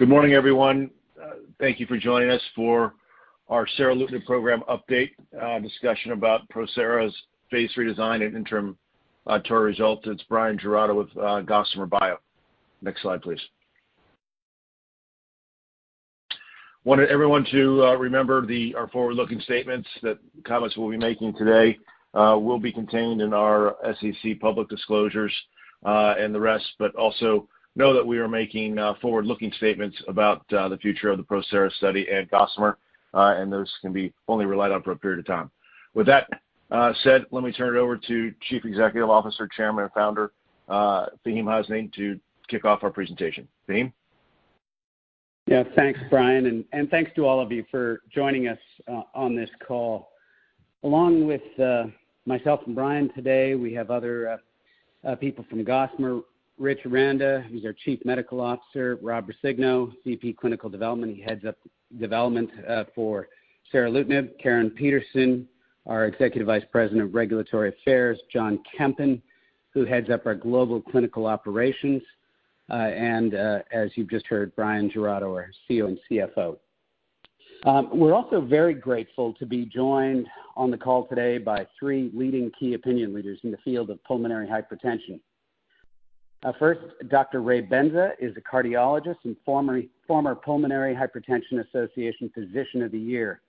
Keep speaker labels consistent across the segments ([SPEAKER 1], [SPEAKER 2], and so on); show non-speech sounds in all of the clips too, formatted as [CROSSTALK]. [SPEAKER 1] Good morning, everyone. Thank you for joining us for our seralutinib program update, discussion about PROSERA's phase III Design and Interim TORREY Results. It's Bryan Giraudo with Gossamer Bio. Next slide, please. Wanted everyone to remember our forward-looking statements, that comments we'll be making today, will be contained in our SEC public disclosures, and the rest, but also know that we are making forward-looking statements about the future of the PROSERA study at Gossamer, and those can be only relied on for a period of time. With that said, let me turn it over to Chief Executive Officer, Chairman, and Founder, Faheem Hasnain, to kick off our presentation. Faheem?
[SPEAKER 2] Yeah. Thanks, Brian, and thanks to all of you for joining us on this call. Along with myself and Brian today, we have other people from Gossamer: Rich Aranda, he's our Chief Medical Officer, Rob Roscigno, VP Clinical Development, he heads up development for seralutinib, Caryn Peterson, our Executive Vice President of Regulatory Affairs, John Kempen, who heads up our global clinical operations, and, as you've just heard, Bryan Giraudo, our CEO and CFO. We're also very grateful to be joined on the call today by three leading key opinion leaders in the field of pulmonary hypertension. First, Dr. Ray Benza is a cardiologist and former Pulmonary Hypertension Association Physician of the Year.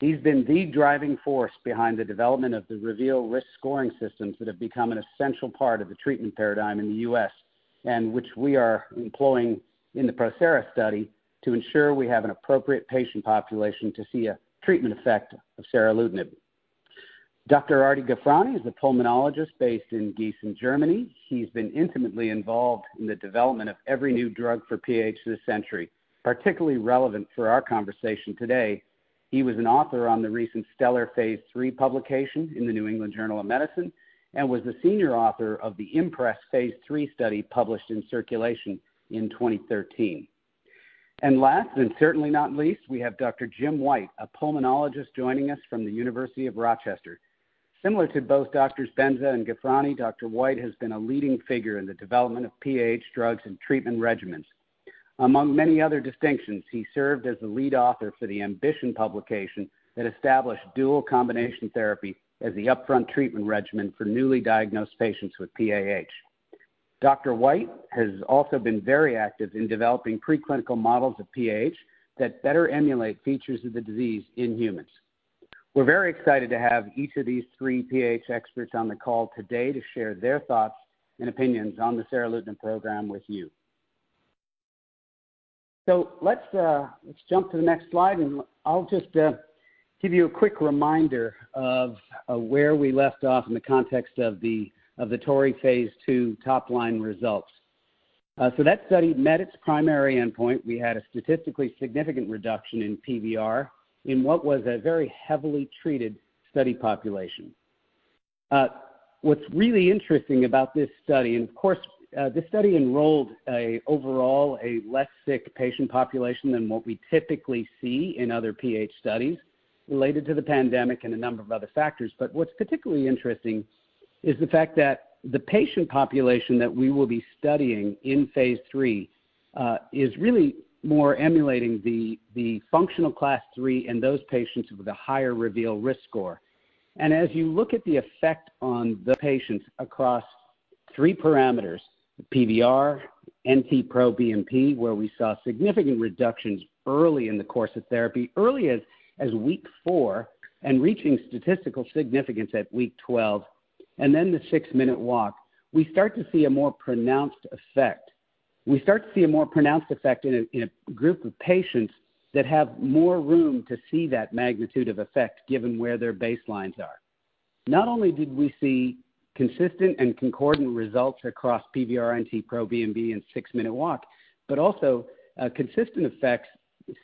[SPEAKER 2] He's been the driving force behind the development of the REVEAL risk scoring systems that have become an essential part of the treatment paradigm in the U.S., and which we are employing in the PROSERA study to ensure we have an appropriate patient population to see a treatment effect of seralutinib. Dr. Ardi Ghofrani is a pulmonologist based in Giessen, Germany. He's been intimately involved in the development of every new drug for PAH this century. Particularly relevant for our conversation today, he was an author on the recent STELLAR phase III publication in the New England Journal of Medicine, and was the senior author of the IMPRES phase III study, published in Circulation in 2013. Last, and certainly not least, we have Dr. Jim White, a pulmonologist joining us from the University of Rochester. Similar to both Doctors Benza and Ghofrani, Dr. White has been a leading figure in the development of PAH drugs and treatment regimens. Among many other distinctions, he served as the lead author for the AMBITION publication that established dual combination therapy as the upfront treatment regimen for newly diagnosed patients with PAH. Dr. White has also been very active in developing preclinical models of PAH that better emulate features of the disease in humans. We're very excited to have each of these three PAH experts on the call today to share their thoughts and opinions on the seralutinib program with you. Let's, let's jump to the next slide, and I'll just give you a quick reminder of where we left off in the context of the, of the TORREY phase II top-line results. That study met its primary endpoint. We had a statistically significant reduction in PVR in what was a very heavily treated study population. What's really interesting about this study, and of course, this study enrolled a overall, a less sick patient population than what we typically see in other PAH studies related to the pandemic and a number of other factors. What's particularly interesting is the fact that the patient population that we will be studying in phase III is really more emulating the functional Class III in those patients with a higher REVEAL risk score. As you look at the effect on the patients across three parameters, PVR, NT-proBNP, where we saw significant reductions early in the course of therapy, early as week 4, and reaching statistical significance at week 12, and then the six-minute walk, we start to see a more pronounced effect. We start to see a more pronounced effect in a group of patients that have more room to see that magnitude of effect, given where their baselines are. Not only did we see consistent and concordant results across PVR, NT-proBNP, and six-minute walk, but also consistent effects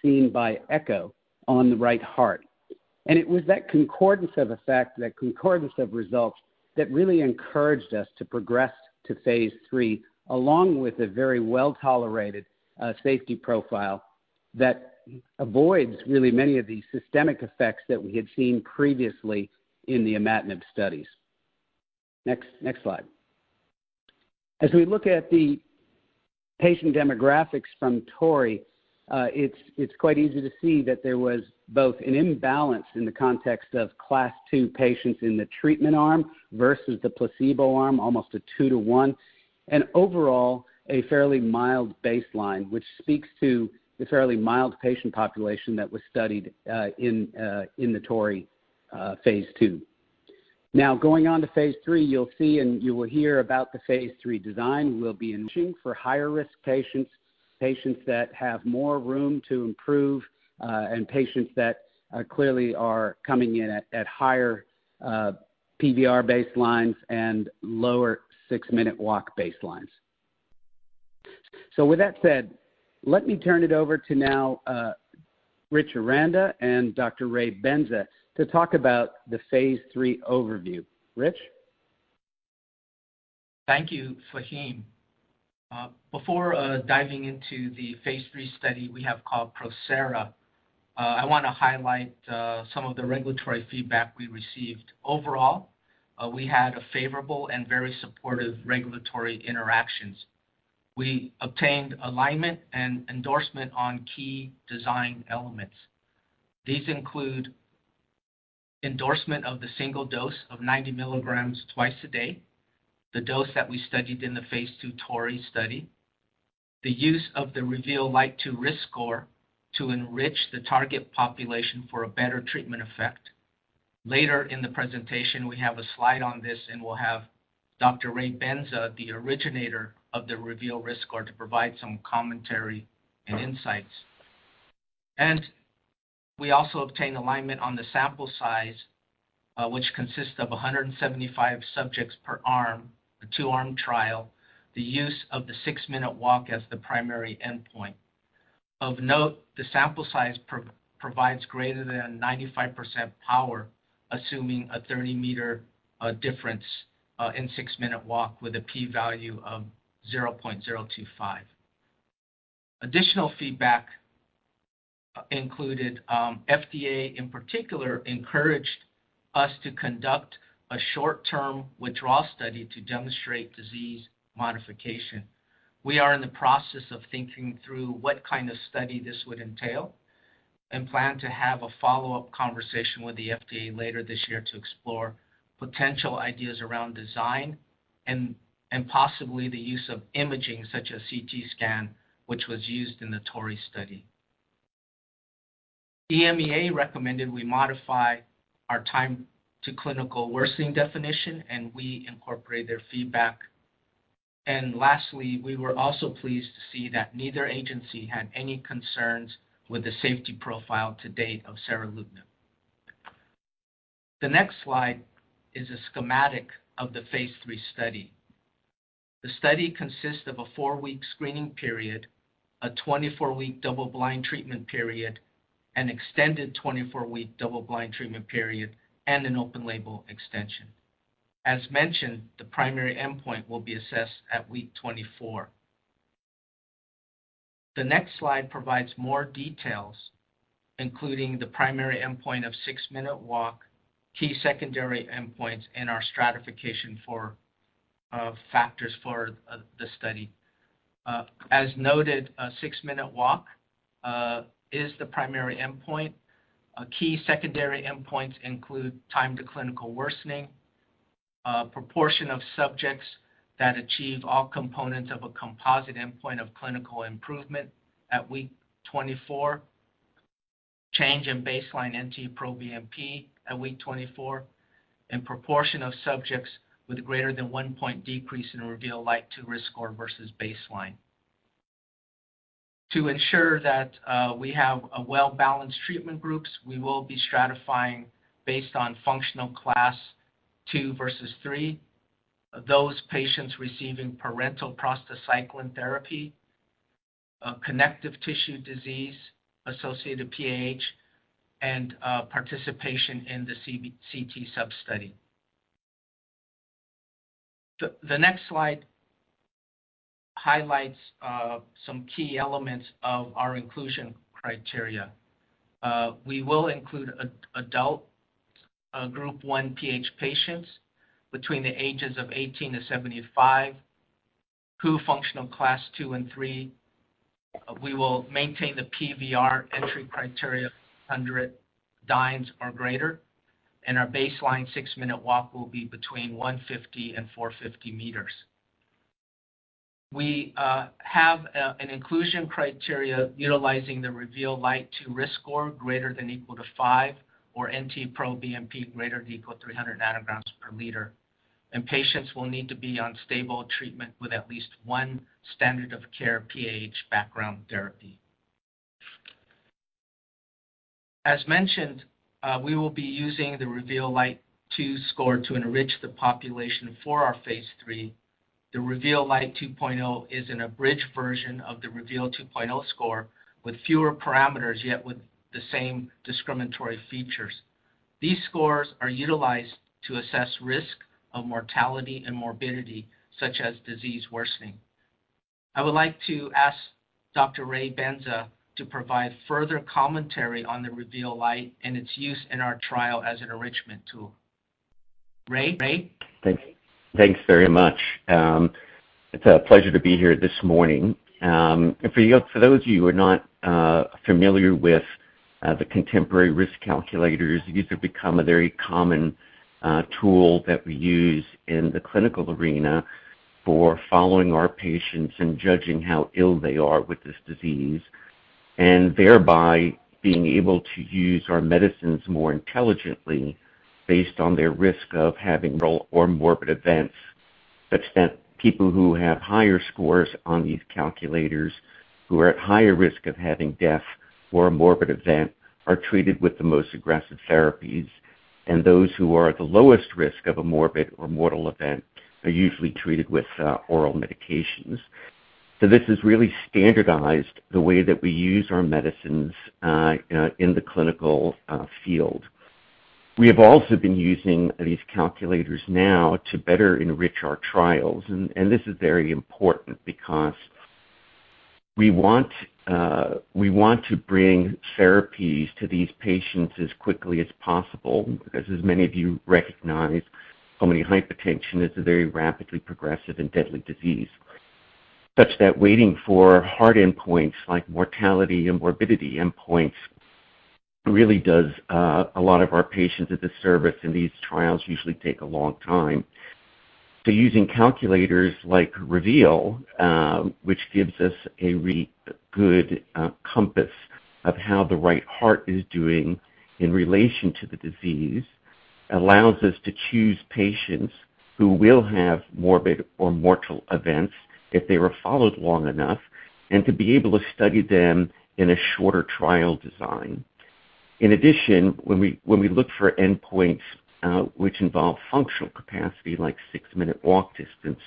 [SPEAKER 2] seen by echo on the right heart. It was that concordance of effect, that concordance of results, that really encouraged us to progress to phase III, along with a very well-tolerated safety profile that avoids really many of the systemic effects that we had seen previously in the imatinib studies. Next slide. As we look at the patient demographics from TORREY, it's quite easy to see that there was both an imbalance in the context of Class II patients in the treatment arm versus the placebo arm, almost a two to one, and overall, a fairly mild baseline, which speaks to the fairly mild patient population that was studied in the TORREY phase II. Going on to phase III you'll see, and you will hear about the phase III design. We'll be aiming for higher-risk patients that have more room to improve, and patients that clearly are coming in at higher PVR baselines and lower six-minute walk baselines. With that said, let me turn it over to now Rich Aranda and Dr. Ray Benza to talk about the phase III overview. Rich?
[SPEAKER 3] Thank you, Faheem. Before diving into the phase III study we have called PROSERA. I want to highlight some of the regulatory feedback we received. Overall, we had a favorable and very supportive regulatory interactions. We obtained alignment and endorsement on key design elements. These include endorsement of the single dose of 90 mg twice a day, the dose that we studied in the phase II TORREY study. The use of the REVEAL Lite 2 risk score to enrich the target population for a better treatment effect. Later in the presentation, we have a slide on this, and we'll have Dr. Ray Benza, the originator of the REVEAL risk score, to provide some commentary and insights. We also obtained alignment on the sample size, which consists of 175 subjects per arm, a 2-arm trial. The use of the six-minute walk as the primary endpoint. Of note, the sample size provides greater than 95% power, assuming a 30-meter difference in six-minute walk with a p-value of 0.025. Additional feedback included, FDA, in particular, encouraged us to conduct a short-term withdrawal study to demonstrate disease modification. We are in the process of thinking through what kind of study this would entail and plan to have a follow-up conversation with the FDA later this year to explore potential ideas around design and possibly the use of imaging, such as CT scan, which was used in the TORREY study. EMA recommended we modify our time to clinical worsening definition, and we incorporate their feedback. Lastly, we were also pleased to see that neither agency had any concerns with the safety profile to date of seralutinib. The next slide is a schematic of the phase III study. The study consists of a four-week screening period, a 24-week double-blind treatment period, an extended 24-week double-blind treatment period, and an open-label extension. As mentioned, the primary endpoint will be assessed at week 24. The next slide provides more details, including the primary endpoint of six-minute walk, key secondary endpoints, and our stratification for factors for the study. As noted, a six-minute walk is the primary endpoint. A key secondary endpoints include time to clinical worsening, proportion of subjects that achieve all components of a composite endpoint of clinical improvement at week 24, change in baseline NT-proBNP at week 24, and proportion of subjects with a greater than 1 point decrease in REVEAL Lite II risk score versus baseline. To ensure that we have a well-balanced treatment groups, we will be stratifying based on functional class II versus III. Those patients receiving parental prostacyclin therapy, connective tissue disease-associated PAH, and participation in the CT sub study. The next slide highlights some key elements of our inclusion criteria. We will include adult Group 1 PH patients between the ages of 18 and 75, WHO functional class II and III. We will maintain the PVR entry criteria, 100 dynes or greater, and our baseline six-minute walk will be between 150 and 450 meters. We have an inclusion criteria utilizing the REVEAL Lite II risk score greater than equal to 5 or NT-proBNP greater than equal to 300 ngs per liter, and patients will need to be on stable treatment with at least one standard of care PAH background therapy. As mentioned, we will be using the REVEAL Lite 2 score to enrich the population for our phase III. The REVEAL Lite 2.0 is an abridged version of the REVEAL 2.0 score, with fewer parameters, yet with the same discriminatory features. These scores are utilized to assess risk of mortality and morbidity, such as disease worsening. I would like to ask Dr. Ray Benza to provide further commentary on the REVEAL Lite and its use in our trial as an enrichment tool. Ray?
[SPEAKER 4] Thank you. Thanks very much. It's a pleasure to be here this morning. For those of you who are not familiar with the contemporary risk calculators, these have become a very common tool that we use in the clinical arena for following our patients and judging how ill they are with this disease, and thereby being able to use our medicines more intelligently based on their risk of having mortal or morbid events. That's people who have higher scores on these calculators, who are at higher risk of having death or a morbid event, are treated with the most aggressive therapies, and those who are at the lowest risk of a morbid or mortal event are usually treated with oral medications. This has really standardized the way that we use our medicines in the clinical field.... We have also been using these calculators now to better enrich our trials. This is very important because we want, we want to bring therapies to these patients as quickly as possible, because as many of you recognize, pulmonary hypertension is a very rapidly progressive and deadly disease, such that waiting for hard endpoints like mortality and morbidity endpoints really does a lot of our patients a disservice, and these trials usually take a long time. Using calculators like REVEAL, which gives us a good compass of how the right heart is doing in relation to the disease, allows us to choose patients who will have morbid or mortal events if they were followed long enough, and to be able to study them in a shorter trial design. In addition, when we look for endpoints, which involve functional capacity, like six-minute walk distance,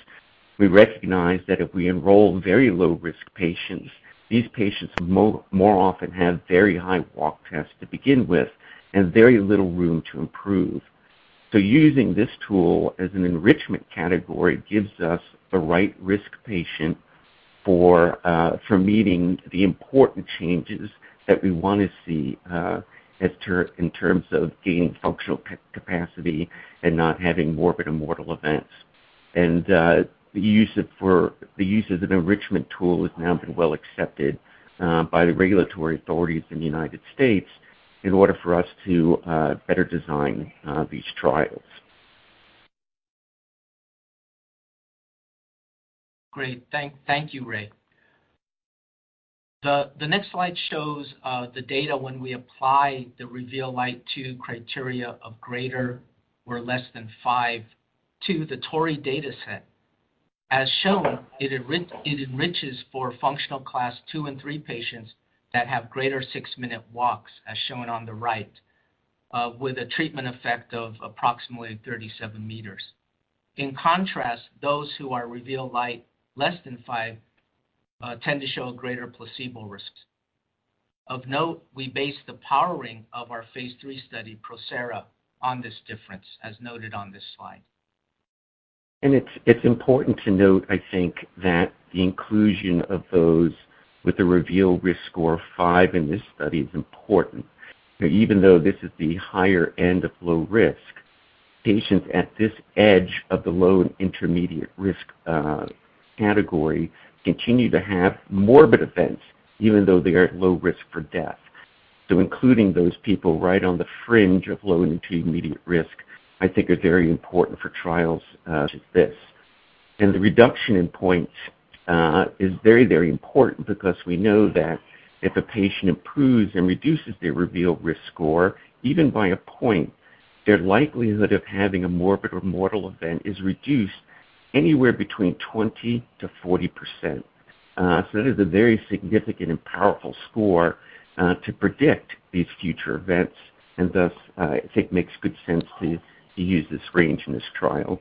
[SPEAKER 4] we recognize that if we enroll very low-risk patients, these patients more often have very high walk tests to begin with and very little room to improve. Using this tool as an enrichment category gives us the right risk patient for meeting the important changes that we want to see, in terms of gaining functional capacity and not having morbid or mortal events. The use as an enrichment tool has now been well accepted, by the regulatory authorities in the United States in order for us to, better design, these trials.
[SPEAKER 3] Great. Thank you, Ray. The next slide shows the data when we apply the REVEAL Lite 2 criteria of greater or less than five to the TORREY data set. As shown, it enriches for functional Class II and III patients that have greater six-minute walks, as shown on the right, with a treatment effect of approximately 37 meters. In contrast, those who are REVEAL Lite less than five tend to show a greater placebo risk. Of note, we based the powering of our phase III study, PROSERA, on this difference, as noted on this slide.
[SPEAKER 4] It's important to note, I think, that the inclusion of those with a REVEAL risk score of five in this study is important. Even though this is the higher end of low risk, patients at this edge of the low and intermediate risk category continue to have morbid events, even though they are at low risk for death. Including those people right on the fringe of low and intermediate risk, I think, are very important for trials like this. The reduction in points is very important because we know that if a patient improves and reduces their REVEAL risk score, even by a point, their likelihood of having a morbid or mortal event is reduced anywhere between 20%-40%. That is a very significant and powerful score, to predict these future events, and thus, I think makes good sense to use this range in this trial.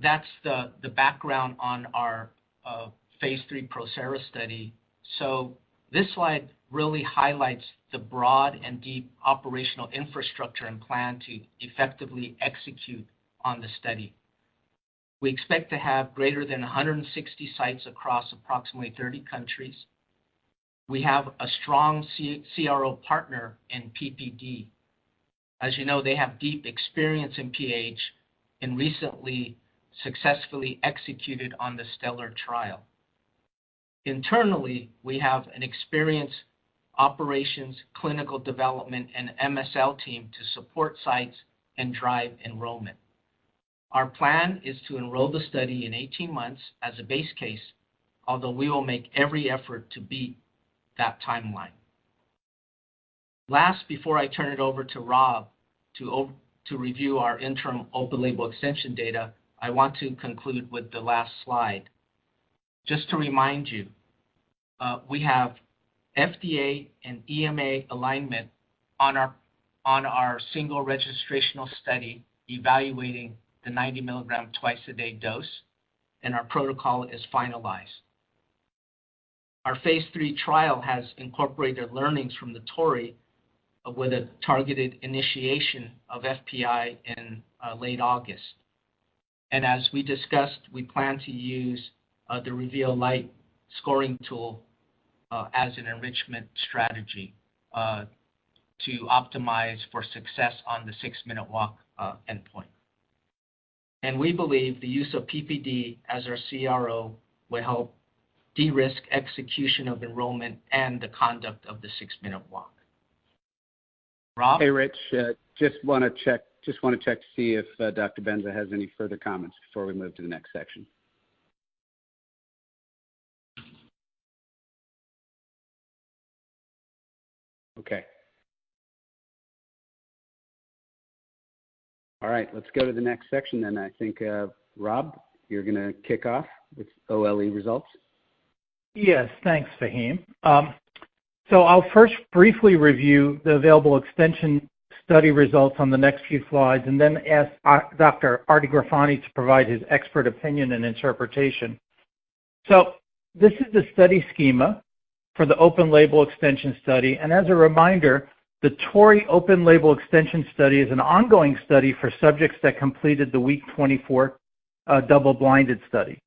[SPEAKER 3] That's the background on our phase III PROSERA study. This slide really highlights the broad and deep operational infrastructure and plan to effectively execute on the study. We expect to have greater than 160 sites across approximately 30 countries. We have a strong CRO partner in PPD. As you know, they have deep experience in PH and recently successfully executed on the STELLAR trial. Internally, we have an experienced operations, clinical development, and MSL team to support sites and drive enrollment. Our plan is to enroll the study in 18 months as a base case, although we will make every effort to beat that timeline. Last, before I turn it over to Rob to review our interim open label extension data, I want to conclude with the last slide. Just to remind you, we have FDA and EMA alignment on our, on our single registrational study evaluating the 90 mg twice-a-day dose. Our protocol is finalized. Our phase III trial has incorporated learnings from the TORREY, with a targeted initiation of FPI in late August. As we discussed, we plan to use the REVEAL Lite scoring tool as an enrichment strategy to optimize for success on the six-minute walk endpoint. We believe the use of PPD as our CRO will help de-risk execution of enrollment and the conduct of the six-minute walk. Rob?
[SPEAKER 2] Hey, Rich, just wanna check to see if Dr. Benza has any further comments before we move to the next section. Okay. All right. Let's go to the next section then. I think, Rob, you're gonna kick off with OLE results?
[SPEAKER 5] Yes. Thanks, Faheem. I'll first briefly review the available extension study results on the next few slides and then ask Dr. Ardi Ghofrani to provide his expert opinion and interpretation. This is the study schema for the open-label extension study. As a reminder, the TORREY open-label extension study is an ongoing study for subjects that completed the week 24 double-blinded study.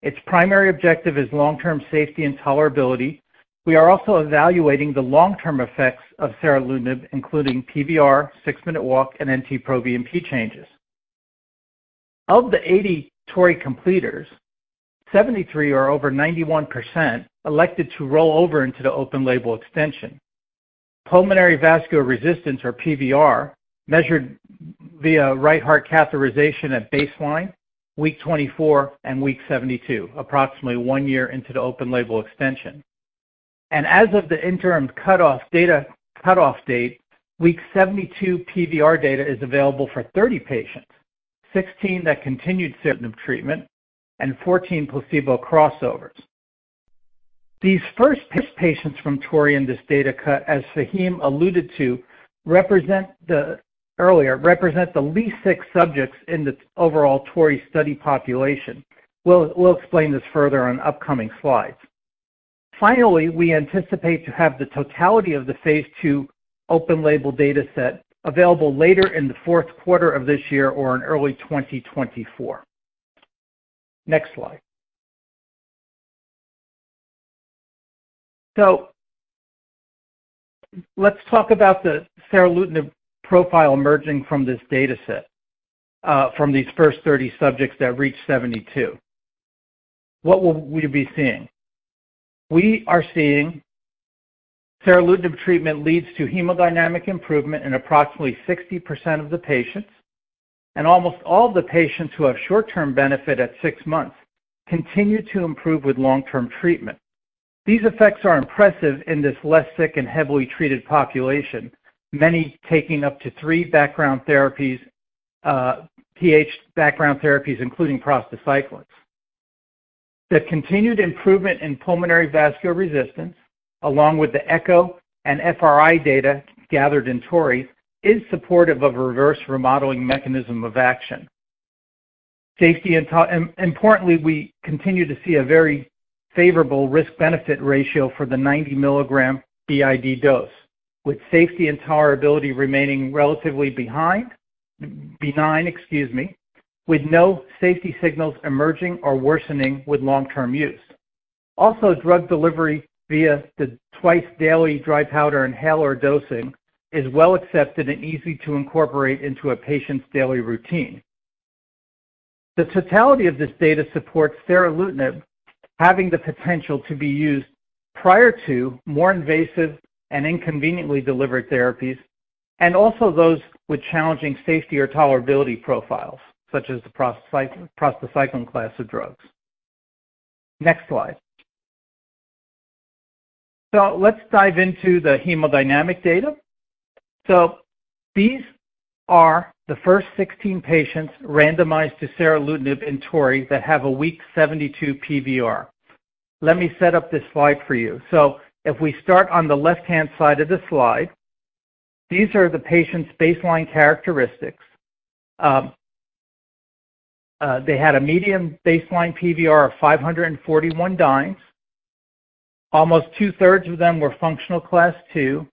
[SPEAKER 5] Its primary objective is long-term safety and tolerability. We are also evaluating the long-term effects of seralutinib, including PVR, six-minute walk and NT-proBNP changes. Of the 80 TORREY completers, 73 or over 91%, elected to roll over into the open-label extension. Pulmonary vascular resistance, or PVR, measured via right heart catheterization at baseline, week 24 and week 72, approximately one year into the open-label extension. As of the interim cutoff data, cutoff date, 72 PVR data is available for 30 patients, 16 that continued seralutinib treatment, and 14 placebo crossovers. These first patients from TORREY in this data cut, as Faheem alluded to, represent the least six subjects in the overall TORREY study population. We'll explain this further on upcoming slides. We anticipate to have the totality of the phase II open-label dataset available later in the fourth quarter of this year or in early 2024. Next slide. Let's talk about the seralutinib profile emerging from this dataset, from these first 30 subjects that reached 72. What will we be seeing? We are seeing seralutinib treatment leads to hemodynamic improvement in approximately 60% of the patients, and almost all the patients who have short-term benefit at six months continue to improve with long-term treatment. These effects are impressive in this less sick and heavily treated population, many taking up to three background therapies, PAH background therapies, including prostacyclins. The continued improvement in pulmonary vascular resistance, along with the echo and FRI data gathered in TORREY, is supportive of a reverse remodeling mechanism of action. Importantly, we continue to see a very favorable risk-benefit ratio for the 90 mg BID dose, with safety and tolerability remaining relatively benign, excuse me, with no safety signals emerging or worsening with long-term use. Drug delivery via the twice-daily dry powder inhaler dosing is well accepted and easy to incorporate into a patient's daily routine. The totality of this data supports seralutinib having the potential to be used prior to more invasive and inconveniently delivered therapies, and also those with challenging safety or tolerability profiles, such as the prostacyclin class of drugs. Next slide. Let's dive into the hemodynamic data. These are the first 16 patients randomized to seralutinib in TORREY that have a week 72 PVR. Let me set up this slide for you. If we start on the left-hand side of the slide, these are the patient's baseline characteristics. They had a median baseline PVR of 541 dynes. Almost 2/3 of them were functional Class II,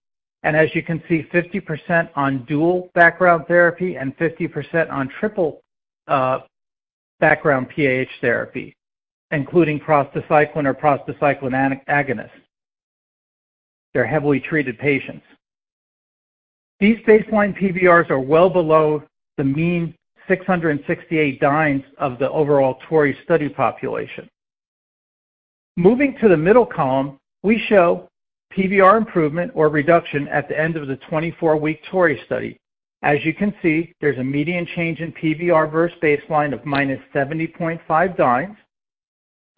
[SPEAKER 5] and as you can see, 50% on dual background therapy and 50% on triple background PH therapy, including prostacyclin or prostacyclin agonists. They're heavily treated patients. These baseline PVRs are well below the mean 668 dynes of the overall TORREY study population. Moving to the middle column, we show PVR improvement or reduction at the end of the 24-week TORREY study. As you can see, there's a median change in PVR versus baseline of -70.5 dynes,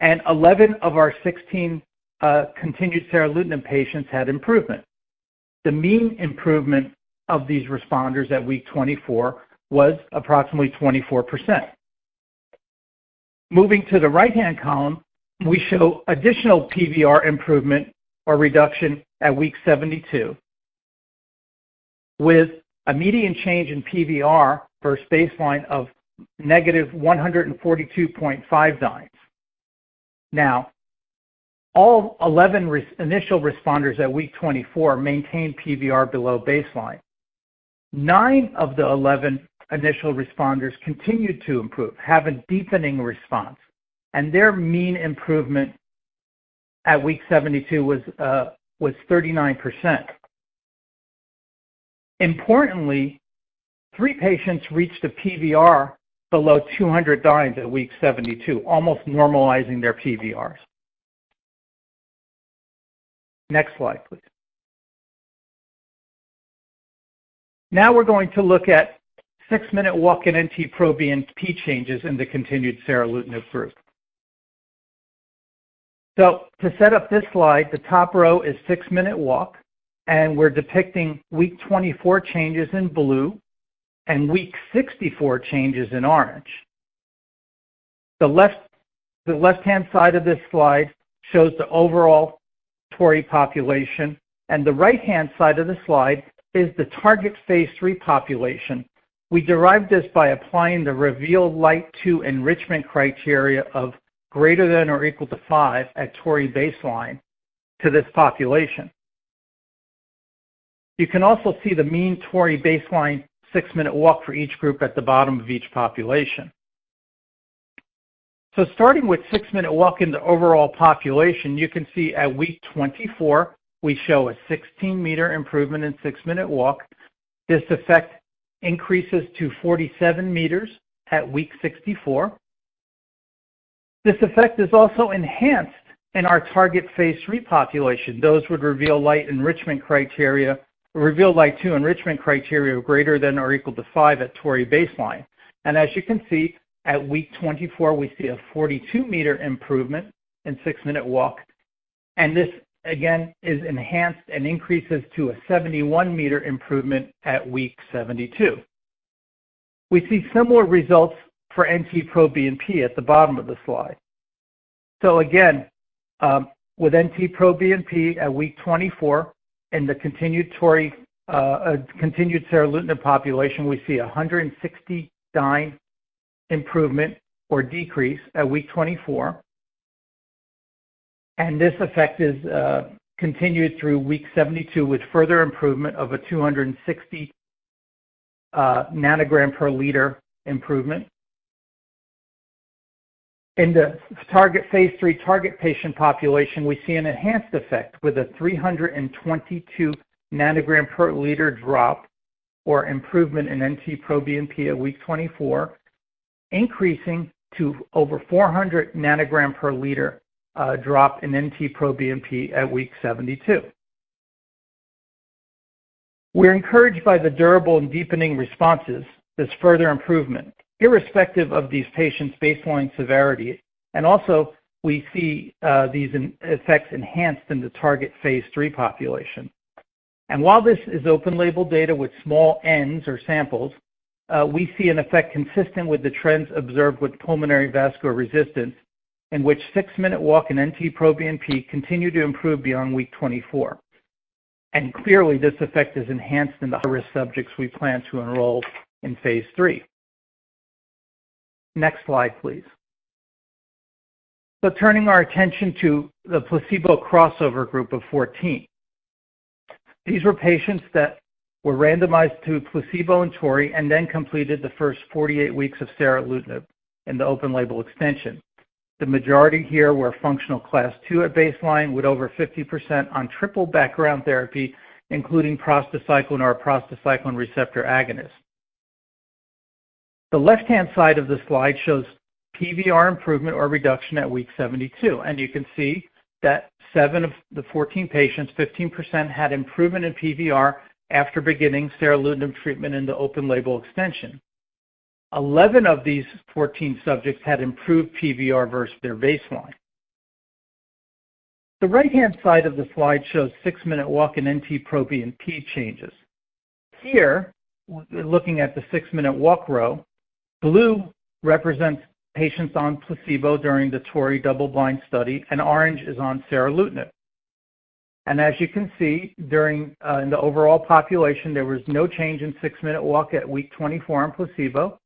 [SPEAKER 5] and 11 of our 16 continued seralutinib patients had improvement. The mean improvement of these responders at week 24 was approximately 24%. Moving to the right-hand column, we show additional PVR improvement or reduction at week 72, with a median change in PVR versus baseline of -142.5 dynes. All 11 initial responders at week 24 maintained PVR below baseline. nine of the 11 initial responders continued to improve, have a deepening response, and their mean improvement at week 72 was 39%. Importantly, three patients reached a PVR below 200 dynes at week 72, almost normalizing their PVRs. Next slide, please. We're going to look at six-minute walk and NT-proBNP changes in the continued seralutinib group. To set up this slide, the top row is six-minute walk, and we're depicting week 24 changes in blue and week 64 changes in orange. The left-hand side of this slide shows the overall TORREY population, and the right-hand side of the slide is the target phase III population. We derived this by applying the REVEAL Lite 2 enrichment criteria of greater than or equal to five at TORREY baseline to this population. You can also see the mean TORREY baseline six-minute walk for each group at the bottom of each population. Starting with six-minute walk in the overall population, you can see at week 24, we show a 16-meter improvement in six-minute walk. This effect increases to 47 meters at week 64. This effect is also enhanced in our target phase III population. Those would REVEAL Lite enrichment criteria, REVEAL Lite 2 enrichment criteria greater than or equal to five at TORREY baseline. As you can see, at week 24, we see a 42-meter improvement in six-minute walk, and this again is enhanced and increases to a 71-meter improvement at week 72. We see similar results for NT-proBNP at the bottom of the slide. Again, with NT-proBNP at week 24 and the continued seralutinib population, we see a 169 improvement or decrease at week 24. This effect is continued through week 72, with further improvement of a 260 ng per liter improvement. In the target phase III target patient population, we see an enhanced effect with a 322 ng per liter drop or improvement in NT-proBNP at week 24, increasing to over 400 ng per liter drop in NT-proBNP at week 72. We're encouraged by the durable and deepening responses, this further improvement, irrespective of these patients' baseline severity. Also, we see these effects enhanced in the target phase III population. While this is open label data with small Ns or samples, we see an effect consistent with the trends observed with pulmonary vascular resistance, in which six-minute walk and NT-proBNP continue to improve beyond week 24. Clearly, this effect is enhanced in the high-risk subjects we plan to enroll in phase III. Next slide, please. Turning our attention to the placebo crossover group of 14. These were patients that were randomized to placebo and TORREY and then completed the first 48 weeks of seralutinib in the open-label extension. The majority here were functional Class II at baseline, with over 50% on triple background therapy, including prostacyclin or a prostacyclin receptor agonist. The left-hand side of the slide shows PVR improvement or reduction at week 72, and you can see that seven of the 14 patients, 15%, had improvement in PVR after beginning seralutinib treatment in the open-label extension. 11 of these 14 subjects had improved PVR versus their baseline. The right-hand side of the slide shows six-minute walk and NT-proBNP changes. Here, we're looking at the six-minute walk row. Blue represents patients on placebo during the TORREY double-blind study, and orange is on seralutinib. As you can see, during, in the overall population, there was no change in six-minute walk at week 24 in placebo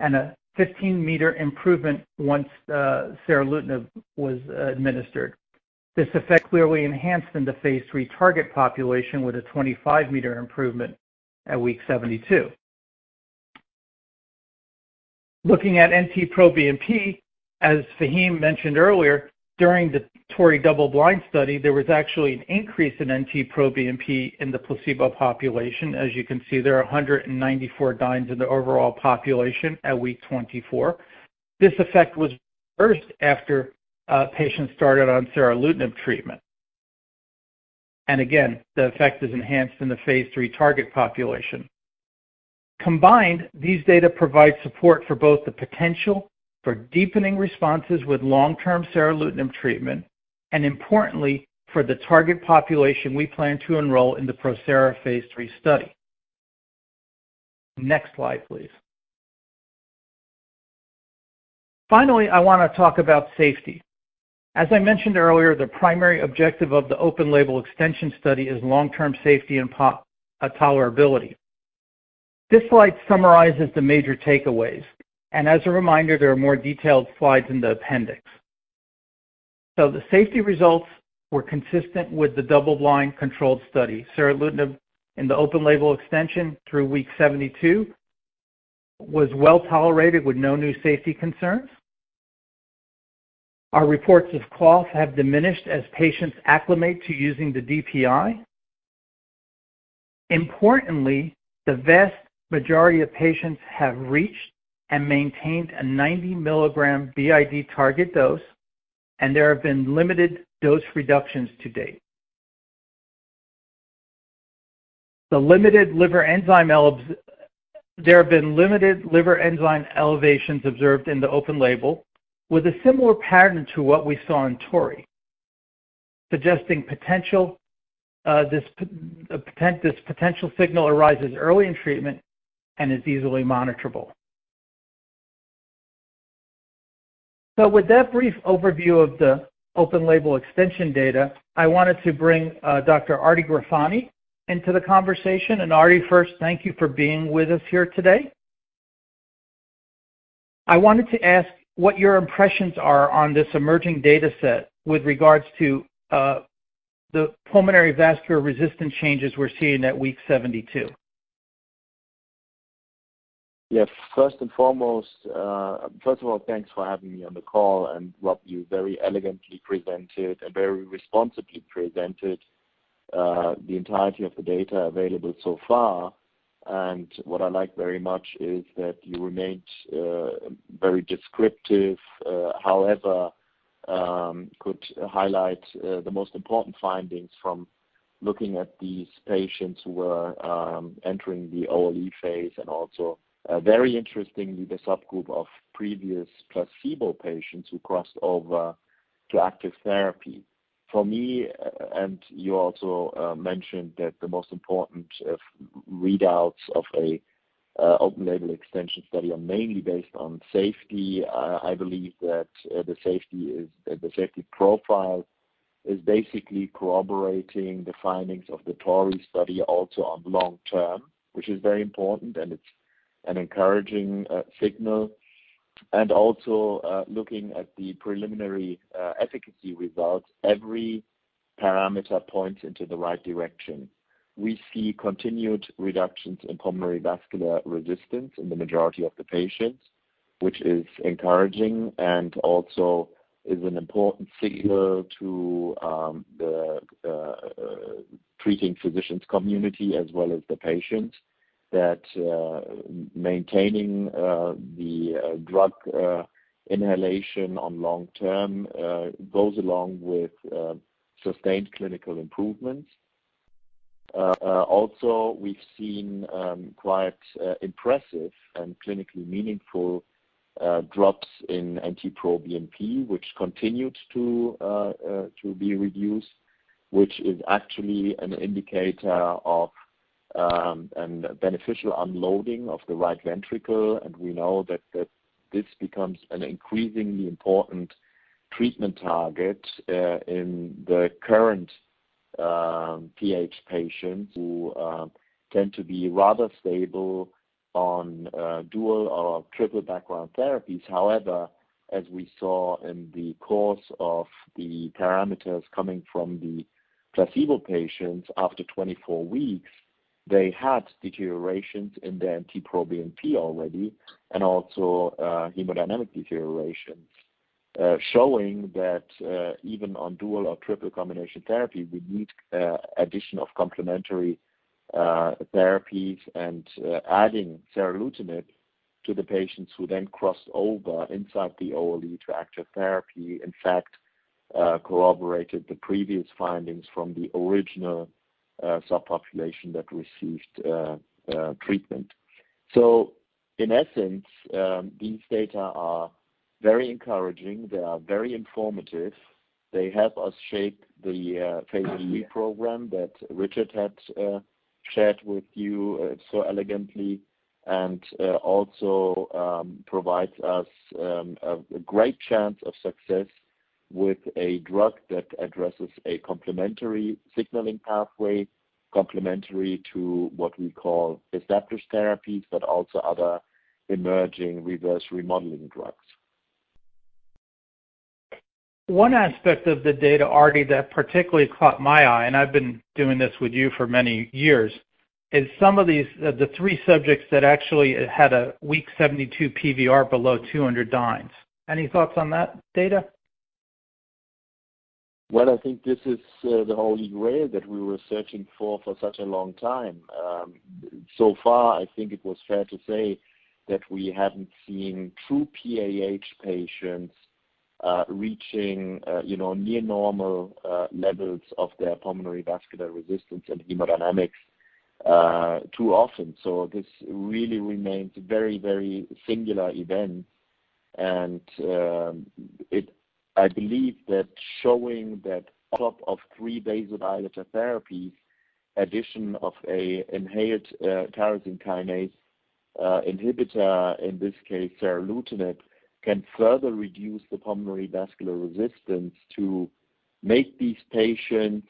[SPEAKER 5] and a 15-meter improvement once seralutinib was administered. This effect clearly enhanced in the phase III target population, with a 25-meter improvement at week 72. Looking at NT-proBNP, as Faheem mentioned earlier, during the TORREY double-blind study, there was actually an increase in NT-proBNP in the placebo population. As you can see, there are 194 dynes in the overall population at week 24. This effect was reversed after patients started on seralutinib treatment. Again, the effect is enhanced in the phase III target population. Combined, these data provide support for both the potential for deepening responses with long-term seralutinib treatment and, importantly, for the target population we plan to enroll in the PROSERA phase III study. Next slide, please. Finally, I want to talk about safety. As I mentioned earlier, the primary objective of the open-label extension study is long-term safety and tolerability. This slide summarizes the major takeaways, and as a reminder, there are more detailed slides in the appendix. The safety results were consistent with the double-blind controlled study. seralutinib in the open-label extension through week 72 was well-tolerated with no new safety concerns. Our reports of cough have diminished as patients acclimate to using the DPI. Importantly, the vast majority of patients have reached and maintained a 90 mg BID target dose, and there have been limited dose reductions to date. There have been limited liver enzyme elevations observed in the open label with a similar pattern to what we saw in TORREY. suggesting potential, this potential signal arises early in treatment and is easily monitorable. With that brief overview of the open label extension data, I wanted to bring Dr. Ardi Ghofrani into the conversation. Ardi, first, thank you for being with us here today. I wanted to ask what your impressions are on this emerging data set with regards to the pulmonary vascular resistance changes we're seeing at week 72.
[SPEAKER 6] Yes. First and foremost, first of all, thanks for having me on the call, Rob, you very elegantly presented and very responsibly presented the entirety of the data available so far. What I like very much is that you remained very descriptive, however, could highlight the most important findings from looking at these patients who are entering the OLE phase, and also, very interestingly, the subgroup of previous placebo patients who crossed over to active therapy. For me, you also mentioned that the most important of readouts of a open label extension study are mainly based on safety. I believe that the safety profile is basically corroborating the findings of the TORREY study, also on long term, which is very important, it's an encouraging signal. Looking at the preliminary efficacy results, every parameter points into the right direction. We see continued reductions in pulmonary vascular resistance in the majority of the patients, which is encouraging and also is an important signal to the treating physicians community as well as the patients, that maintaining the drug inhalation on long term goes along with sustained clinical improvements. Also, we've seen quite impressive and clinically meaningful drops in NT-proBNP, which continued to be reduced, which is actually an indicator of beneficial unloading of the right ventricle. We know that this becomes an increasingly important treatment target in the current PAH patients who tend to be rather stable on dual or triple background therapies. As we saw in the course of the parameters coming from the placebo patients, after 24 weeks, they had deterioration in their NT-proBNP already and also, hemodynamic deterioration, showing that, even on dual or triple combination therapy, we need addition of complementary therapies. Adding seralutinib to the patients who then crossed over inside the OLE to active therapy, in fact, corroborated the previous findings from the original subpopulation that received treatment. In essence, these data are very encouraging. They are very informative. They help us shape the phase III program that Richard had shared with you so elegantly, and also provides us a great chance of success with a drug that addresses a complementary signaling pathway, complementary to what we call adaptors therapies, but also other emerging reverse remodeling drugs.
[SPEAKER 5] One aspect of the data, Ardi, that particularly caught my eye, and I've been doing this with you for many years, is some of these, the three subjects that actually had a week 72 PVR below 200 dynes. Any thoughts on that data?
[SPEAKER 6] I think this is the holy grail that we were searching for such a long time. So far, I think it was fair to say that we haven't seen true PAH patients reaching, you know, near normal levels of their pulmonary vascular resistance and hemodynamics too often. This really remains a very, very singular event. I believe that showing that on top of three days of therapies, addition of a inhaled tyrosine kinase inhibitor, in this case, seralutinib, can further reduce the pulmonary vascular resistance to make these patients,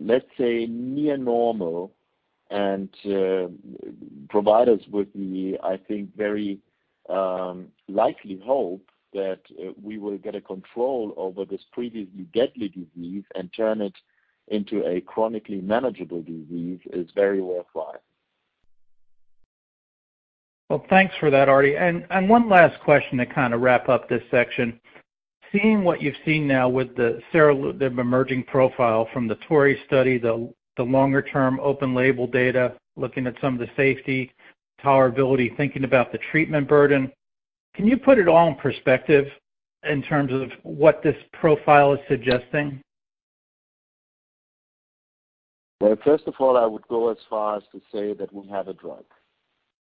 [SPEAKER 6] let's say, near normal and provide us with the, I think, very likely hope that we will get a control over this previously deadly disease and turn it into a chronically manageable disease is very worthwhile.
[SPEAKER 5] Well, thanks for that, Ardi. One last question to kind of wrap up this section. Seeing what you've seen now with the seralutinib emerging profile from the TORREY study, the longer term open label data, looking at some of the safety, tolerability, thinking about the treatment burden, can you put it all in perspective in terms of what this profile is suggesting?
[SPEAKER 6] Well, first of all, I would go as far as to say that we have a drug.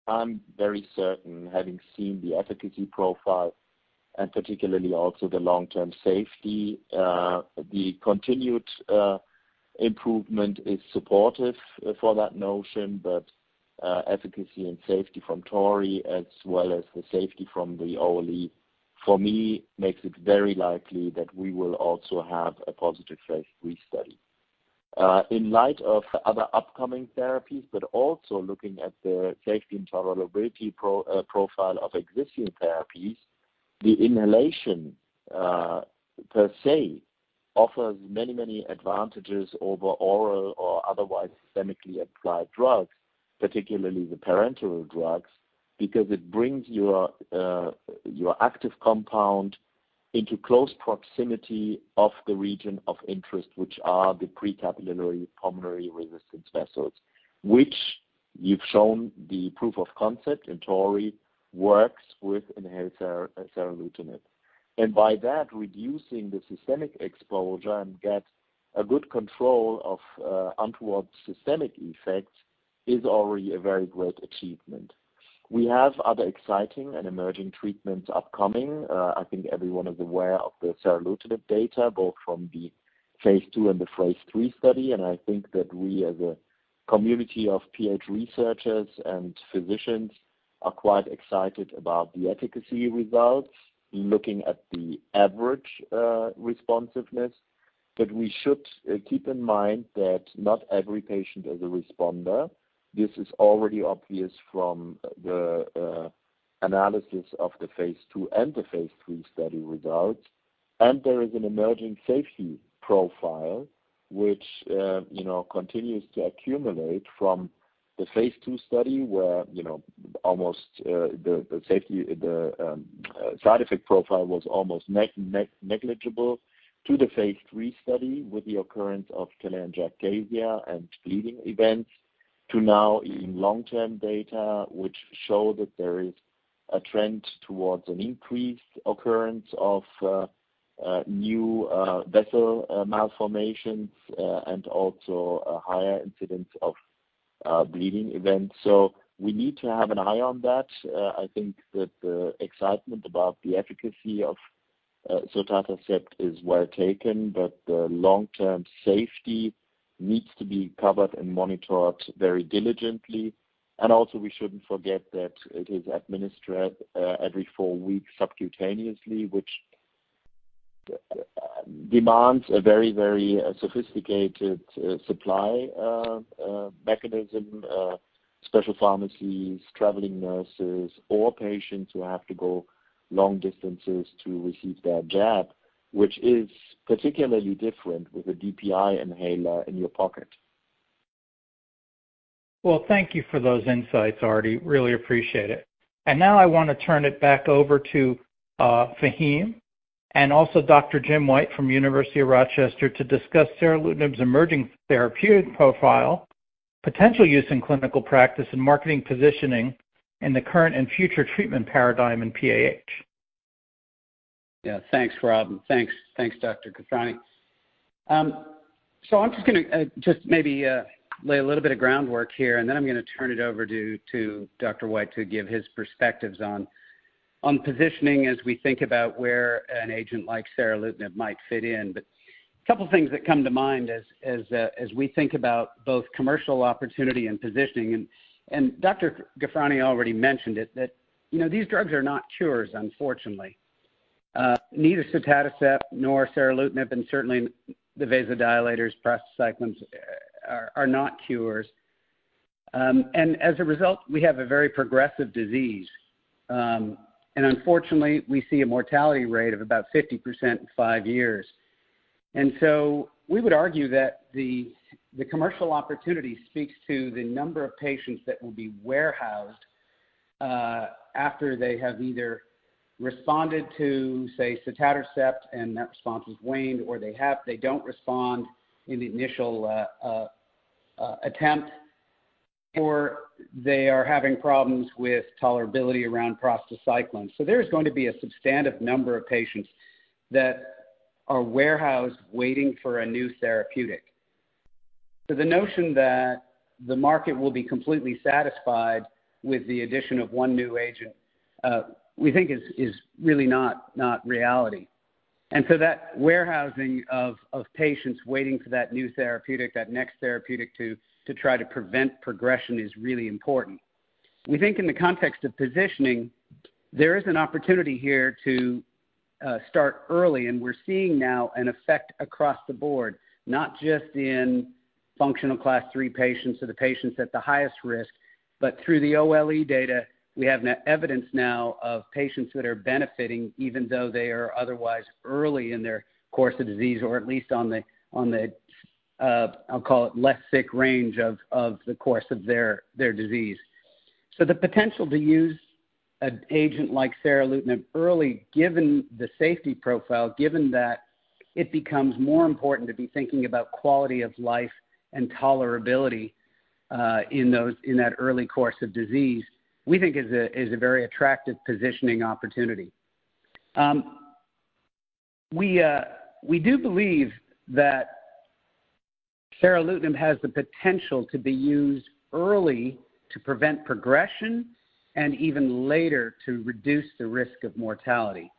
[SPEAKER 6] I'm very certain, having seen the efficacy profile and particularly also the long-term safety, the continued improvement is supportive for that notion. Efficacy and safety from TORREY as well as the safety from the OLE, for me, makes it very likely that we will also have a positive phase III study. In light of other upcoming therapies, but also looking at the safety and tolerability profile of existing therapies, the inhalation per se, offers many, many advantages over oral or otherwise systemically applied drugs, particularly the parenteral drugs, because it brings your active compound into close proximity of the region of interest, which are the precapillary pulmonary resistance vessels, which you've shown the proof of concept, and TORREY works with inhaled seralutinib. By that, reducing the systemic exposure and get a good control of untoward systemic effects is already a very great achievement. We have other exciting and emerging treatments upcoming. I think everyone is aware of the seralutinib data, both from the phase II and the phase III study. I think that we, as a community of PAH researchers and physicians, are quite excited about the efficacy results, looking at the average responsiveness. We should keep in mind that not every patient is a responder. This is already obvious from the analysis of the phase II and the phase III study results. There is an emerging safety profile, which you know, continues to accumulate from the phase II study, where, you know, almost the safety, the side effect profile was almost negligible, to the phase III study with the occurrence of telangiectasias and bleeding events, to now in long-term data, which show that there is a trend towards an increased occurrence of new vessel malformations and also a higher incidence of bleeding events. We need to have an eye on that. I think that the excitement about the efficacy of sotatercept is well taken, but the long-term safety needs to be covered and monitored very diligently. We shouldn't forget that it is administered every four weeks subcutaneously, which demands a very, very sophisticated supply mechanism, special pharmacies, traveling nurses, or patients who have to go long distances to receive their jab, which is particularly different with a DPI inhaler in your pocket.
[SPEAKER 5] Thank you for those insights, Ardi. Really appreciate it. Now I want to turn it back over to Faheem and also Dr. Jim White from University of Rochester to discuss seralutinib's emerging therapeutic profile, potential use in clinical practice and marketing positioning in the current and future treatment paradigm in PAH.
[SPEAKER 2] Yeah, thanks, Rob, and thanks, Dr. Ghofrani. I'm just gonna maybe lay a little bit of groundwork here, and then I'm going to turn it over to Dr. White to give his perspectives on positioning as we think about where an agent like seralutinib might fit in. A couple of things that come to mind as we think about both commercial opportunity and positioning, and Dr. Ghofrani already mentioned it, that, you know, these drugs are not cures, unfortunately. Neither sotatercept nor seralutinib, and certainly the vasodilators, prostacyclins, are not cures. As a result, we have a very progressive disease. Unfortunately, we see a mortality rate of about 50% in five years. We would argue that the commercial opportunity speaks to the number of patients that will be warehoused, after they have either responded to, say, sotatercept, and that response has waned, or they don't respond in the initial attempt, or they are having problems with tolerability around prostacyclin. There is going to be a substantive number of patients that are warehoused, waiting for a new therapeutic. The notion that the market will be completely satisfied with the addition of one new agent, we think is really not reality. That warehousing of patients waiting for that new therapeutic, that next therapeutic to try to prevent progression, is really important. We think in the context of positioning, there is an opportunity here to start early, and we're seeing now an effect across the board, not just in functional Class 3 patients, so the patients at the highest risk, but through the OLE data, we have evidence now of patients that are benefiting, even though they are otherwise early in their course of disease, or at least on the, on the, I'll call it less sick range of the course of their disease. The potential to use an agent like seralutinib early, given the safety profile, given that it becomes more important to be thinking about quality of life and tolerability in those, in that early course of disease, we think is a very attractive positioning opportunity. We do believe that seralutinib has the potential to be used early to prevent progression and even later to reduce the risk of mortality.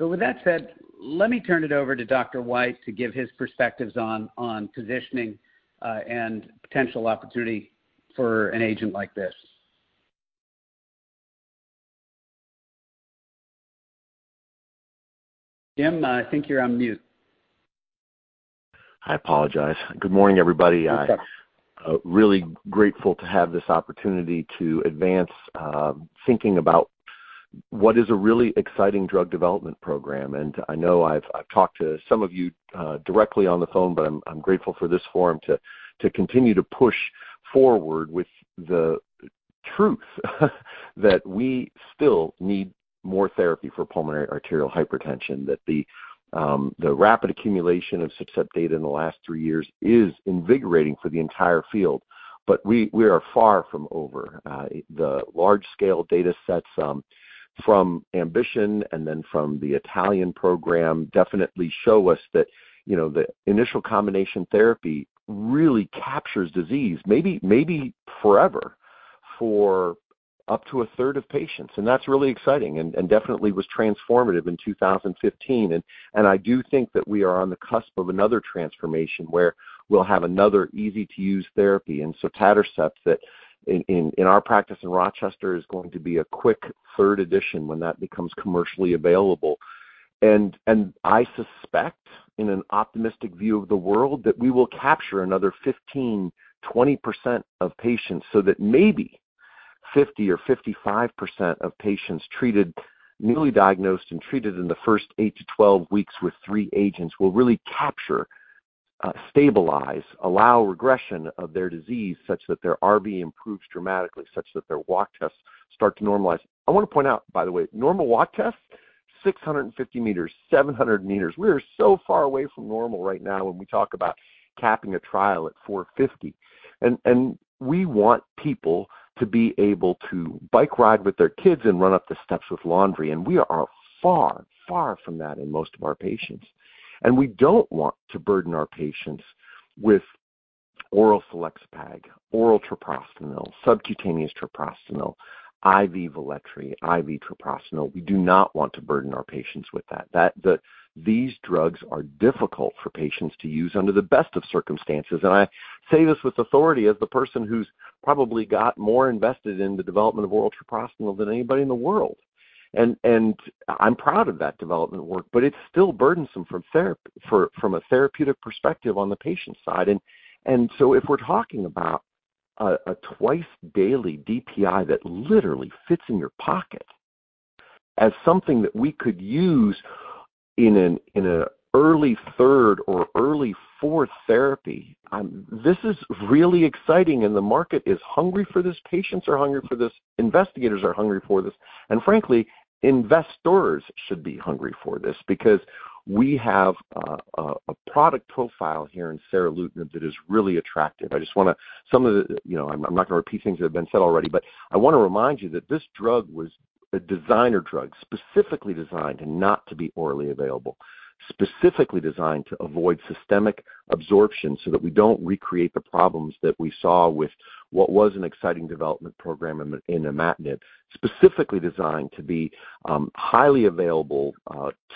[SPEAKER 2] With that said, let me turn it over to Dr. White to give his perspectives on positioning and potential opportunity for an agent like this. Jim, I think you're on mute.
[SPEAKER 7] I apologize. Good morning, everybody.
[SPEAKER 2] Okay.
[SPEAKER 7] I'm really grateful to have this opportunity to advance thinking about what is a really exciting drug development program. I know I've talked to some of you directly on the phone, but I'm grateful for this forum to continue to push forward with the truth, that we still need more therapy for pulmonary arterial hypertension. The rapid accumulation of success data in the last three years is invigorating for the entire field. We, we are far from over. The large-scale data sets from AMBITION and then from the Italian program, definitely show us that, you know, the initial combination therapy really captures disease, maybe forever, for up to a third of patients. That's really exciting and definitely was transformative in 2015. I do think that we are on the cusp of another transformation, where we'll have another easy-to-use therapy. Tadalafil, that in our practice in Rochester, is going to be a quick third addition when that becomes commercially available. I suspect, in an optimistic view of the world, that we will capture another 15%-20% of patients, so that maybe 50% or 55% of patients treated, newly diagnosed and treated in the first 8-12 weeks with three agents, will really capture, stabilize, allow regression of their disease such that their RV improves dramatically, such that their walk tests start to normalize. I want to point out, by the way, normal walk test, 650 meters, 700 meters. We are so far away from normal right now when we talk about capping a trial at 450. We want people to be able to bike ride with their kids and run up the steps with laundry, and we are far, far from that in most of our patients. We don't want to burden our patients with oral selexipag, oral treprostinil, subcutaneous treprostinil, IV Veletri, IV treprostinil. We do not want to burden our patients with that. These drugs are difficult for patients to use under the best of circumstances. I say this with authority, as the person who's probably got more invested in the development of oral treprostinil than anybody in the world. I'm proud of that development work, but it's still burdensome from a therapeutic perspective on the patient side. If we're talking about a twice-daily DPI that literally fits in your pocket, as something that we could use in an early third or early fourth therapy, this is really exciting, and the market is hungry for this. Patients are hungry for this, investigators are hungry for this, and frankly, investors should be hungry for this because we have a product profile here in seralutinib that is really attractive. I just wanna, you know, I'm not going to repeat things that have been said already, but I want to remind you that this drug was a designer drug, specifically designed not to be orally available. Specifically designed to avoid systemic absorption, so that we don't recreate the problems that we saw with what was an exciting development program in imatinib. Specifically designed to be highly available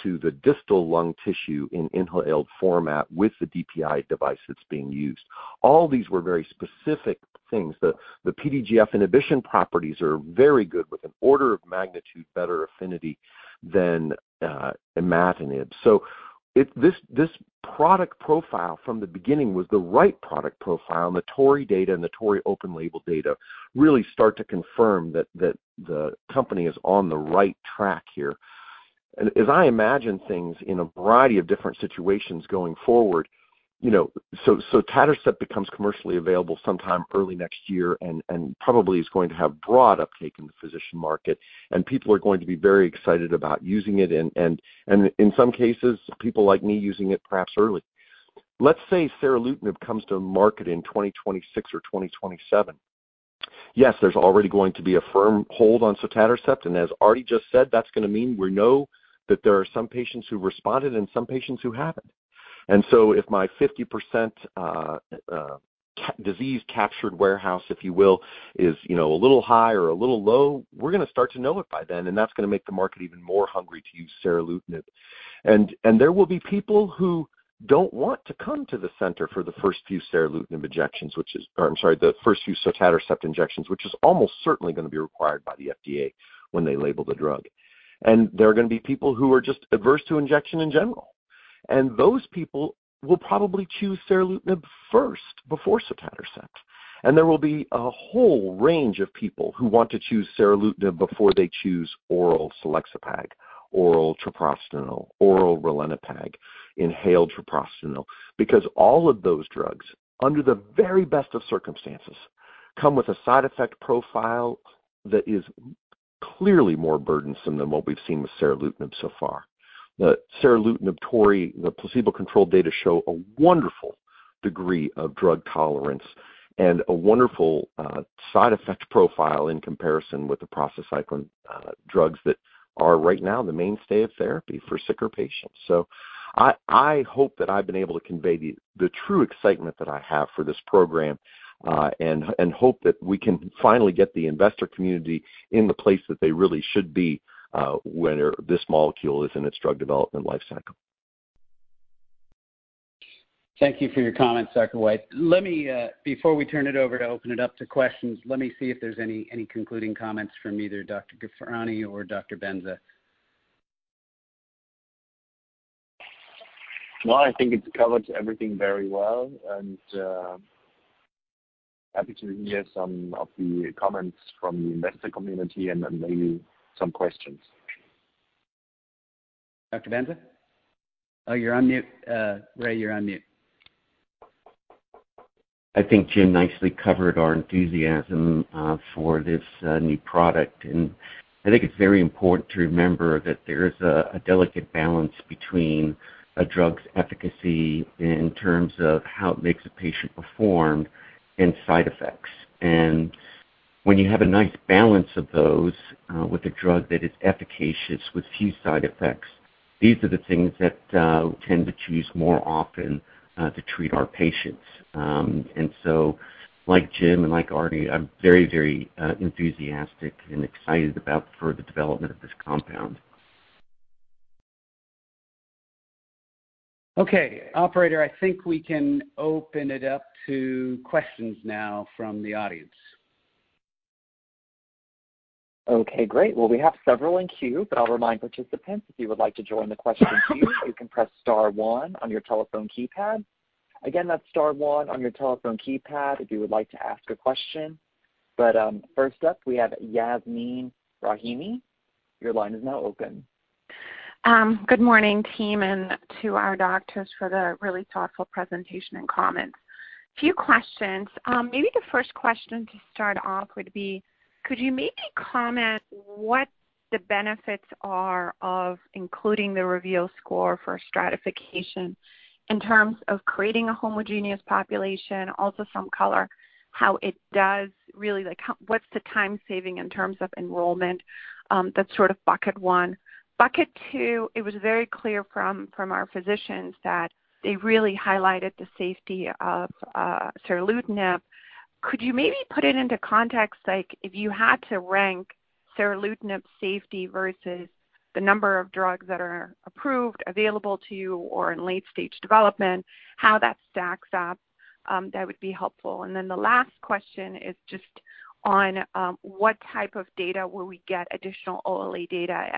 [SPEAKER 7] to the distal lung tissue in inhaled format with the DPI device that's being used. All these were very specific things. The PDGF inhibition properties are very good, with an order of magnitude better affinity than imatinib. This product profile from the beginning was the right product profile, and the TORREY data and the TORREY open label data really start to confirm that the company is on the right track here. As I imagine things in a variety of different situations going forward, you know, so tadalafil becomes commercially available sometime early next year and probably is going to have broad uptake in the physician market, and people are going to be very excited about using it, and in some cases, people like me using it perhaps early. Let's say seralutinib comes to market in 2026 or 2027. Yes, there's already going to be a firm hold on sotatercept, and as Ardi just said, that's going to mean we know that there are some patients who responded and some patients who haven't. If my 50% disease-captured warehouse, if you will, is, you know, a little high or a little low, we're going to start to know it by then, and that's going to make the market even more hungry to use seralutinib. There will be people who don't want to come to the center for the first few seralutinib injections, which is... Or I'm sorry, the first few sotatercept injections, which is almost certainly going to be required by the FDA when they label the drug. There are going to be people who are just adverse to injection in general, and those people will probably choose seralutinib first, before sotatercept. There will be a whole range of people who want to choose seralutinib before they choose oral selexipag, oral treprostinil, oral ralinepag, inhaled treprostinil, because all of those drugs, under the very best of circumstances, come with a side effect profile that is clearly more burdensome than what we've seen with seralutinib so far. The seralutinib TORREY, the placebo-controlled data, show a wonderful degree of drug tolerance and a wonderful side effect profile in comparison with the prostacyclin drugs that are right now the mainstay of therapy for sicker patients. I hope that I've been able to convey the true excitement that I have for this program, and hope that we can finally get the investor community in the place that they really should be when this molecule is in its drug development life cycle.
[SPEAKER 2] Thank you for your comments, Dr. White. Let me, before we turn it over to open it up to questions, let me see if there's any concluding comments from either Dr. Ghofrani or Dr. Benza.
[SPEAKER 6] Well, I think it's covered everything very well. Happy to hear some of the comments from the investor community and then maybe some questions.
[SPEAKER 2] Dr. Benza? Oh, you're on mute. Ray, you're on mute.
[SPEAKER 4] I think Jim nicely covered our enthusiasm for this new product. I think it's very important to remember that there is a delicate balance between a drug's efficacy in terms of how it makes a patient perform and side effects. When you have a nice balance of those with a drug that is efficacious with few side effects, these are the things that we tend to choose more often to treat our patients. Like Jim and like Ardi, I'm very, very enthusiastic and excited about further development of this compound.
[SPEAKER 2] Okay, operator, I think we can open it up to questions now from the audience.
[SPEAKER 8] Okay, great. Well, we have several in queue, but I'll remind participants, if you would like to join the question queue, you can press star one on your telephone keypad. Again, that's star one on your telephone keypad if you would like to ask a question. First up, we have Yasmeen Rahimi. Your line is now open.
[SPEAKER 9] Good morning, team, and to our doctors for the really thoughtful presentation and comments. Few questions. Maybe the first question to start off would be: Could you maybe comment what the benefits are of including the REVEAL score for stratification in terms of creating a homogeneous population? Also, some color, how it does really, like, what's the time saving in terms of enrollment? That's sort of bucket one. Bucket two, it was very clear from our physicians that they really highlighted the safety of seralutinib. Could you maybe put it into context, like, if you had to rank seralutinib's safety versus the number of drugs that are approved, available to you, or in late-stage development, how that stacks up? That would be helpful. The last question is just on, what type of data will we get additional OLE data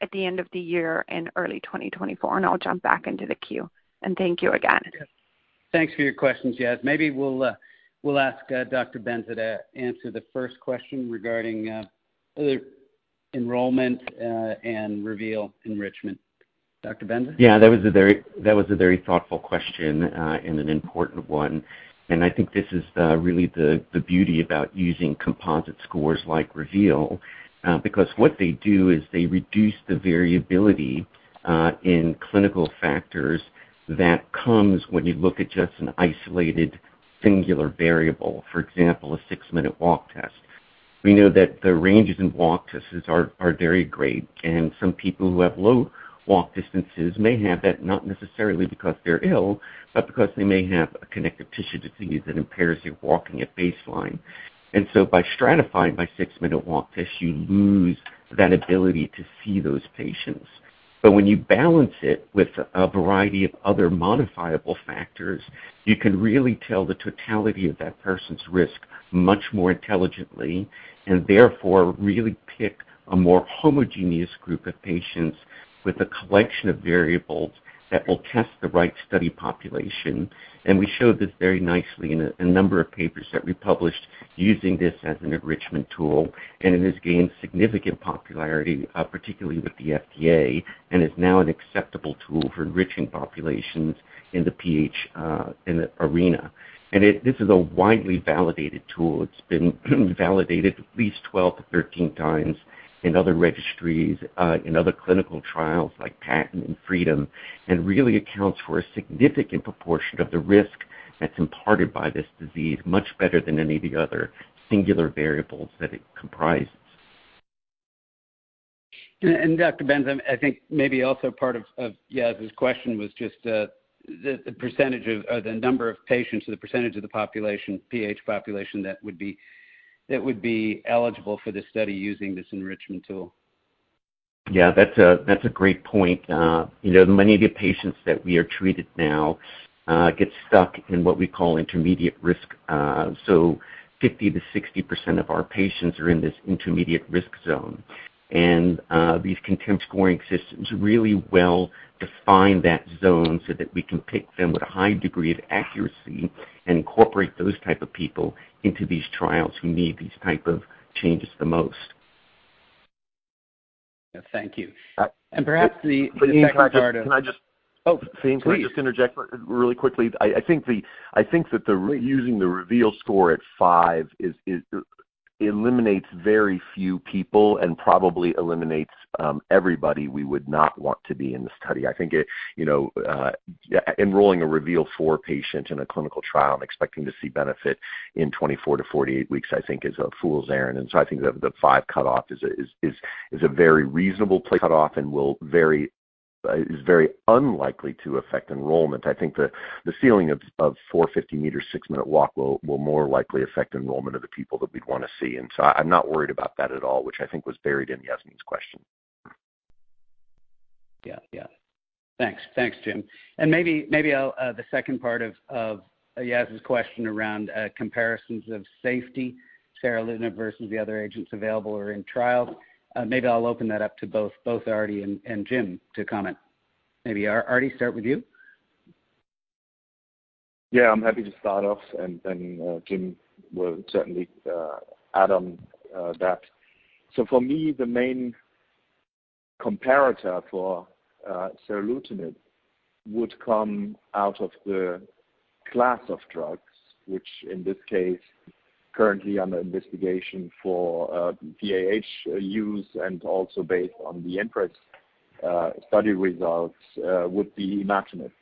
[SPEAKER 9] at the end of the year and early 2024. I'll jump back into the queue. Thank you again.
[SPEAKER 2] Thanks for your questions, Yasmeen. Maybe we'll ask Dr. Benza to answer the first question regarding enrollment and REVEAL enrichment. Dr. Benza?
[SPEAKER 4] Yeah, that was a very, that was a very thoughtful question, and an important one. I think this is really the beauty about using composite scores like REVEAL, because what they do is they reduce the variability in clinical factors that comes when you look at just an isolated, singular variable, for example, a six-minute walk test. We know that the ranges in walk tests are very great, and some people who have low walk distances may have that, not necessarily because they're ill, but because they may have a connective tissue disease that impairs your walking at baseline. By stratifying by six-minute walk test, you lose that ability to see those patients. When you balance it with a variety of other modifiable factors, you can really tell the totality of that person's risk much more intelligently, and therefore, really pick a more homogeneous group of patients with a collection of variables that will test the right study population. We showed this very nicely in a number of papers that we published using this as an enrichment tool, and it has gained significant popularity, particularly with the FDA, and is now an acceptable tool for enriching populations in the PH, in the arena. This is a widely validated tool. It's been validated at least 12-13x in other registries, in other clinical trials like PATENT and FREEDOM, really accounts for a significant proportion of the risk that's imparted by this disease, much better than any of the other singular variables that it comprises.
[SPEAKER 2] Dr. Benza, I think maybe also part of Yasmeen's question was just, the percentage of, or the number of patients or the percentage of the population, PAH population, that would be eligible for this study using this enrichment tool.
[SPEAKER 4] Yeah, that's a, that's a great point. you know, many of the patients that we are treated now, get stuck in what we call intermediate risk. 50%-60% of our patients are in this intermediate risk zone. These contemporary scoring systems really well define that zone so that we can pick them with a high degree of accuracy and incorporate those type of people into these trials who need these type of changes the most.
[SPEAKER 2] Thank you.
[SPEAKER 7] Uh-
[SPEAKER 2] Perhaps the second part.
[SPEAKER 7] Can I just.
[SPEAKER 2] Oh, please.
[SPEAKER 7] Can I just interject really quickly? I think the, I think that the using the REVEAL score at 5 is, eliminates very few people and probably eliminates everybody we would not want to be in the study. I think it, you know, enrolling a REVEAL 4 patient in a clinical trial and expecting to see benefit in 24 to 48 weeks, I think is a fool's errand. I think that the five cutoff is a very reasonable cutoff and is very unlikely to affect enrollment. I think the ceiling of 450 meters, six-minute walk will more likely affect enrollment of the people that we'd want to see. I'm not worried about that at all, which I think was buried in Yasmeen's question.
[SPEAKER 2] Yeah, yeah. Thanks. Thanks, Jim. Maybe I'll the second part of Yasmeen's question around comparisons of safety, seralutinib versus the other agents available or in trial. Maybe I'll open that up to both Ardi and Jim to comment. Maybe, Ardii, start with you.
[SPEAKER 6] Yeah, I'm happy to start off, and then Jim will certainly add on that. For me, the main comparator for seralutinib would come out of the class of drugs, which in this case, currently under investigation for PAH use and also based on the IMPRES study results, would be imatinib.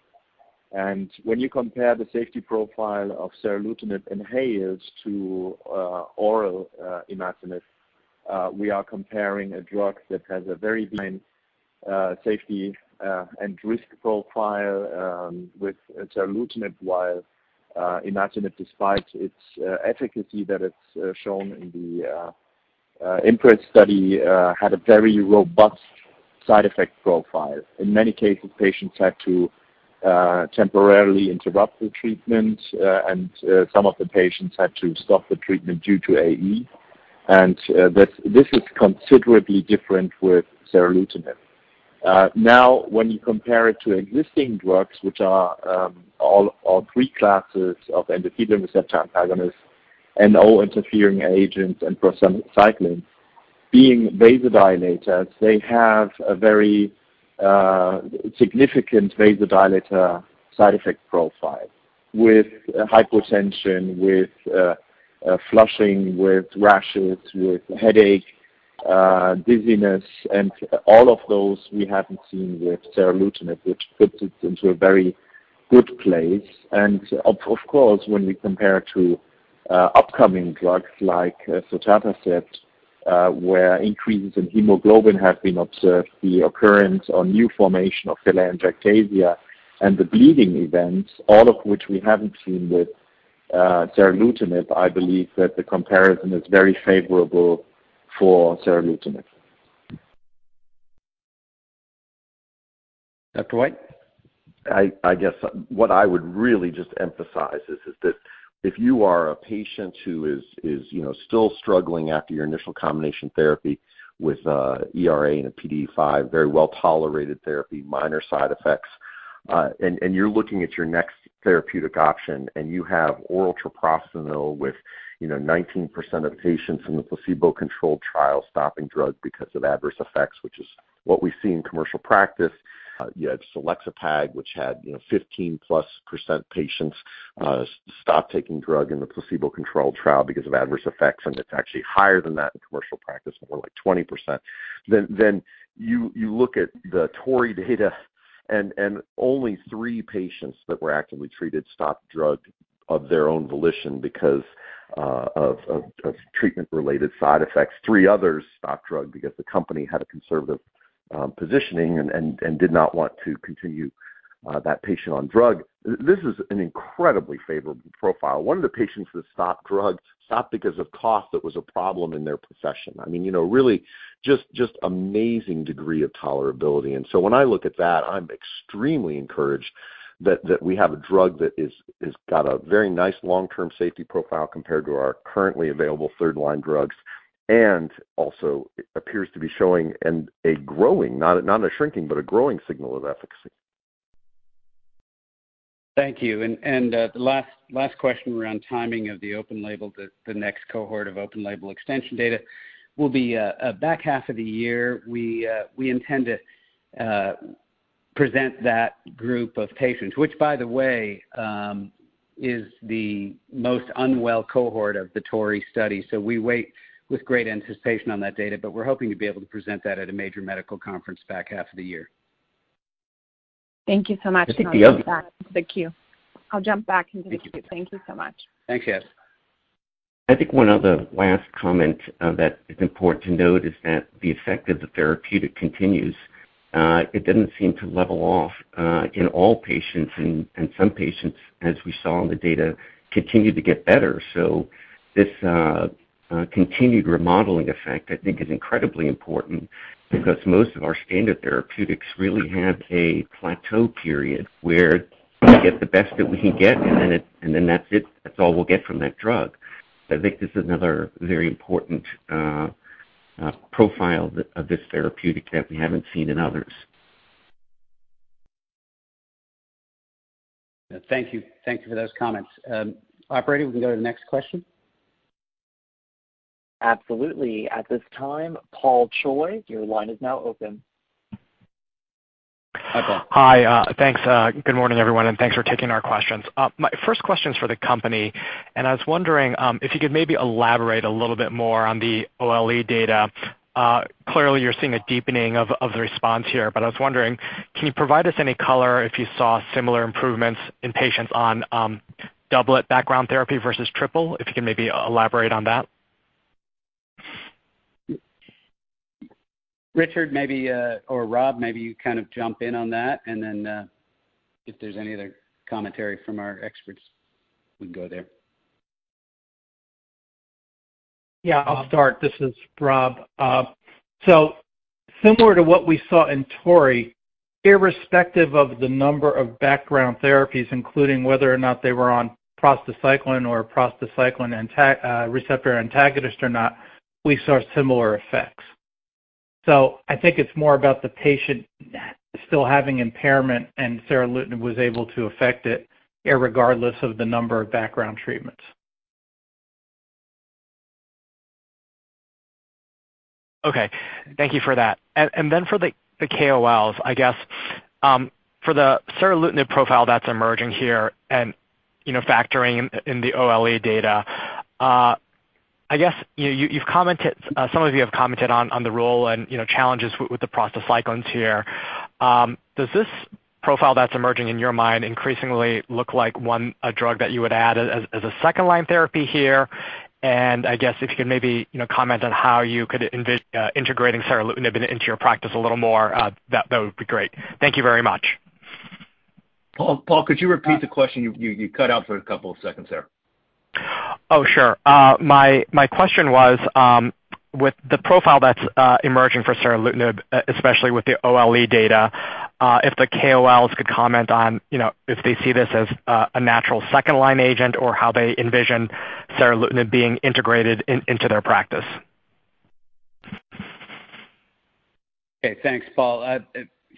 [SPEAKER 6] When you compare the safety profile of seralutinib inhalers to oral imatinib, we are comparing a drug that has a very main safety and risk profile with seralutinib, while imatinib, despite its efficacy that it's shown in the IMPRES study, had a very robust side effect profile. In many cases, patients had to temporarily interrupt the treatment, and some of the patients had to stop the treatment due to AE. This is considerably different with seralutinib. Now, when you compare it to existing drugs, which are all three classes of endothelin receptor antagonists, NO interfering agents, and prostacyclin, being vasodilators, they have a very significant vasodilator side effect profile with hypotension, with flushing, with rashes, with headache, dizziness, and all of those we haven't seen with seralutinib, which puts it into a very good place. Of course, when we compare to upcoming drugs like sotatercept, where increases in hemoglobin have been observed, the occurrence or new formation of telangiectasia and the bleeding events, all of which we haven't seen with seralutinib, I believe that the comparison is very favorable for seralutinib.
[SPEAKER 2] Dr. White?
[SPEAKER 7] I guess what I would really just emphasize is that if you are a patient who is, you know, still struggling after your initial combination therapy with ERA and a PDE5, very well-tolerated therapy, minor side effects, and you're looking at your next therapeutic option, and you have oral treprostinil with, you know, 19% of patients in the placebo-controlled trial stopping drug because of adverse effects, which is what we see in commercial practice. You had selexipag, which had, you know, 15+% patients stop taking drug in the placebo-controlled trial because of adverse effects, and it's actually higher than that in commercial practice, more like 20%. You look at the TORREY data and only three patients that were actively treated stopped drug of their own volition because of treatment-related side effects. Three others stopped drug because the company had a conservative positioning and did not want to continue that patient on drug. This is an incredibly favorable profile. One of the patients that stopped drug stopped because of cost that was a problem in their profession. I mean, you know, really just amazing degree of tolerability. When I look at that, I'm extremely encouraged that we have a drug that is got a very nice long-term safety profile compared to our currently available third-line drugs, and also appears to be showing and a growing, not a, not a shrinking, but a growing signal of efficacy.
[SPEAKER 2] Thank you. The last question around timing of the open label, the next cohort of open label extension data will be back half of the year. We intend to present that group of patients, which, by the way, is the most unwell cohort of the TORREY study. We wait with great anticipation on that data, but we're hoping to be able to present that at a major medical conference back half of the year.
[SPEAKER 9] Thank you so much.
[SPEAKER 2] I think the other-
[SPEAKER 9] The queue. I'll jump back into the queue. Thank you so much.
[SPEAKER 2] Thanks, Yas.
[SPEAKER 4] I think one other last comment, that is important to note is that the effect of the therapeutic continues. It doesn't seem to level off, in all patients, and some patients, as we saw in the data, continue to get better. This continued remodeling effect, I think, is incredibly important because most of our standard therapeutics really have a plateau period where we get the best that we can get, and then that's it. That's all we'll get from that drug. I think this is another very important profile of this therapeutic that we haven't seen in others.
[SPEAKER 2] Thank you. Thank you for those comments. Operator, we can go to the next question.
[SPEAKER 8] Absolutely. At this time, Paul Choi, your line is now open.
[SPEAKER 10] Hi, thanks. Good morning, everyone, and thanks for taking our questions. My first question is for the company, and I was wondering if you could maybe elaborate a little bit more on the OLE data. Clearly, you're seeing a deepening of the response here, but I was wondering, can you provide us any color if you saw similar improvements in patients on doublet background therapy versus triple? If you can maybe elaborate on that.
[SPEAKER 2] Richard, maybe, or Rob, maybe you kind of jump in on that, and then, if there's any other commentary from our experts, we can go there.
[SPEAKER 5] Yeah, I'll start. This is Rob. Similar to what we saw in TORREY, irrespective of the number of background therapies, including whether or not they were on prostacyclin or prostacyclin receptor antagonist or not, we saw similar effects. I think it's more about the patient still having impairment, and seralutinib was able to affect it irregardless of the number of background treatments.
[SPEAKER 10] Okay. Thank you for that. For the KOLs, I guess, for the seralutinib profile that's emerging here and, you know, factoring in the OLE data, I guess some of you have commented on the role and, you know, challenges with the prostacyclins here. Does this profile that's emerging in your mind increasingly look like one, a drug that you would add as a second-line therapy here? I guess if you could maybe, you know, comment on how you could integrating seralutinib into your practice a little more, that would be great. Thank you very much.
[SPEAKER 2] Paul, could you repeat the question? You cut out for a couple of seconds there.
[SPEAKER 10] Oh, sure. My question was, with the profile that's emerging for seralutinib, especially with the OLE data, if the KOLs could comment on, you know, if they see this as a natural second-line agent or how they envision seralutinib being integrated into their practice.
[SPEAKER 2] Okay, thanks, Paul.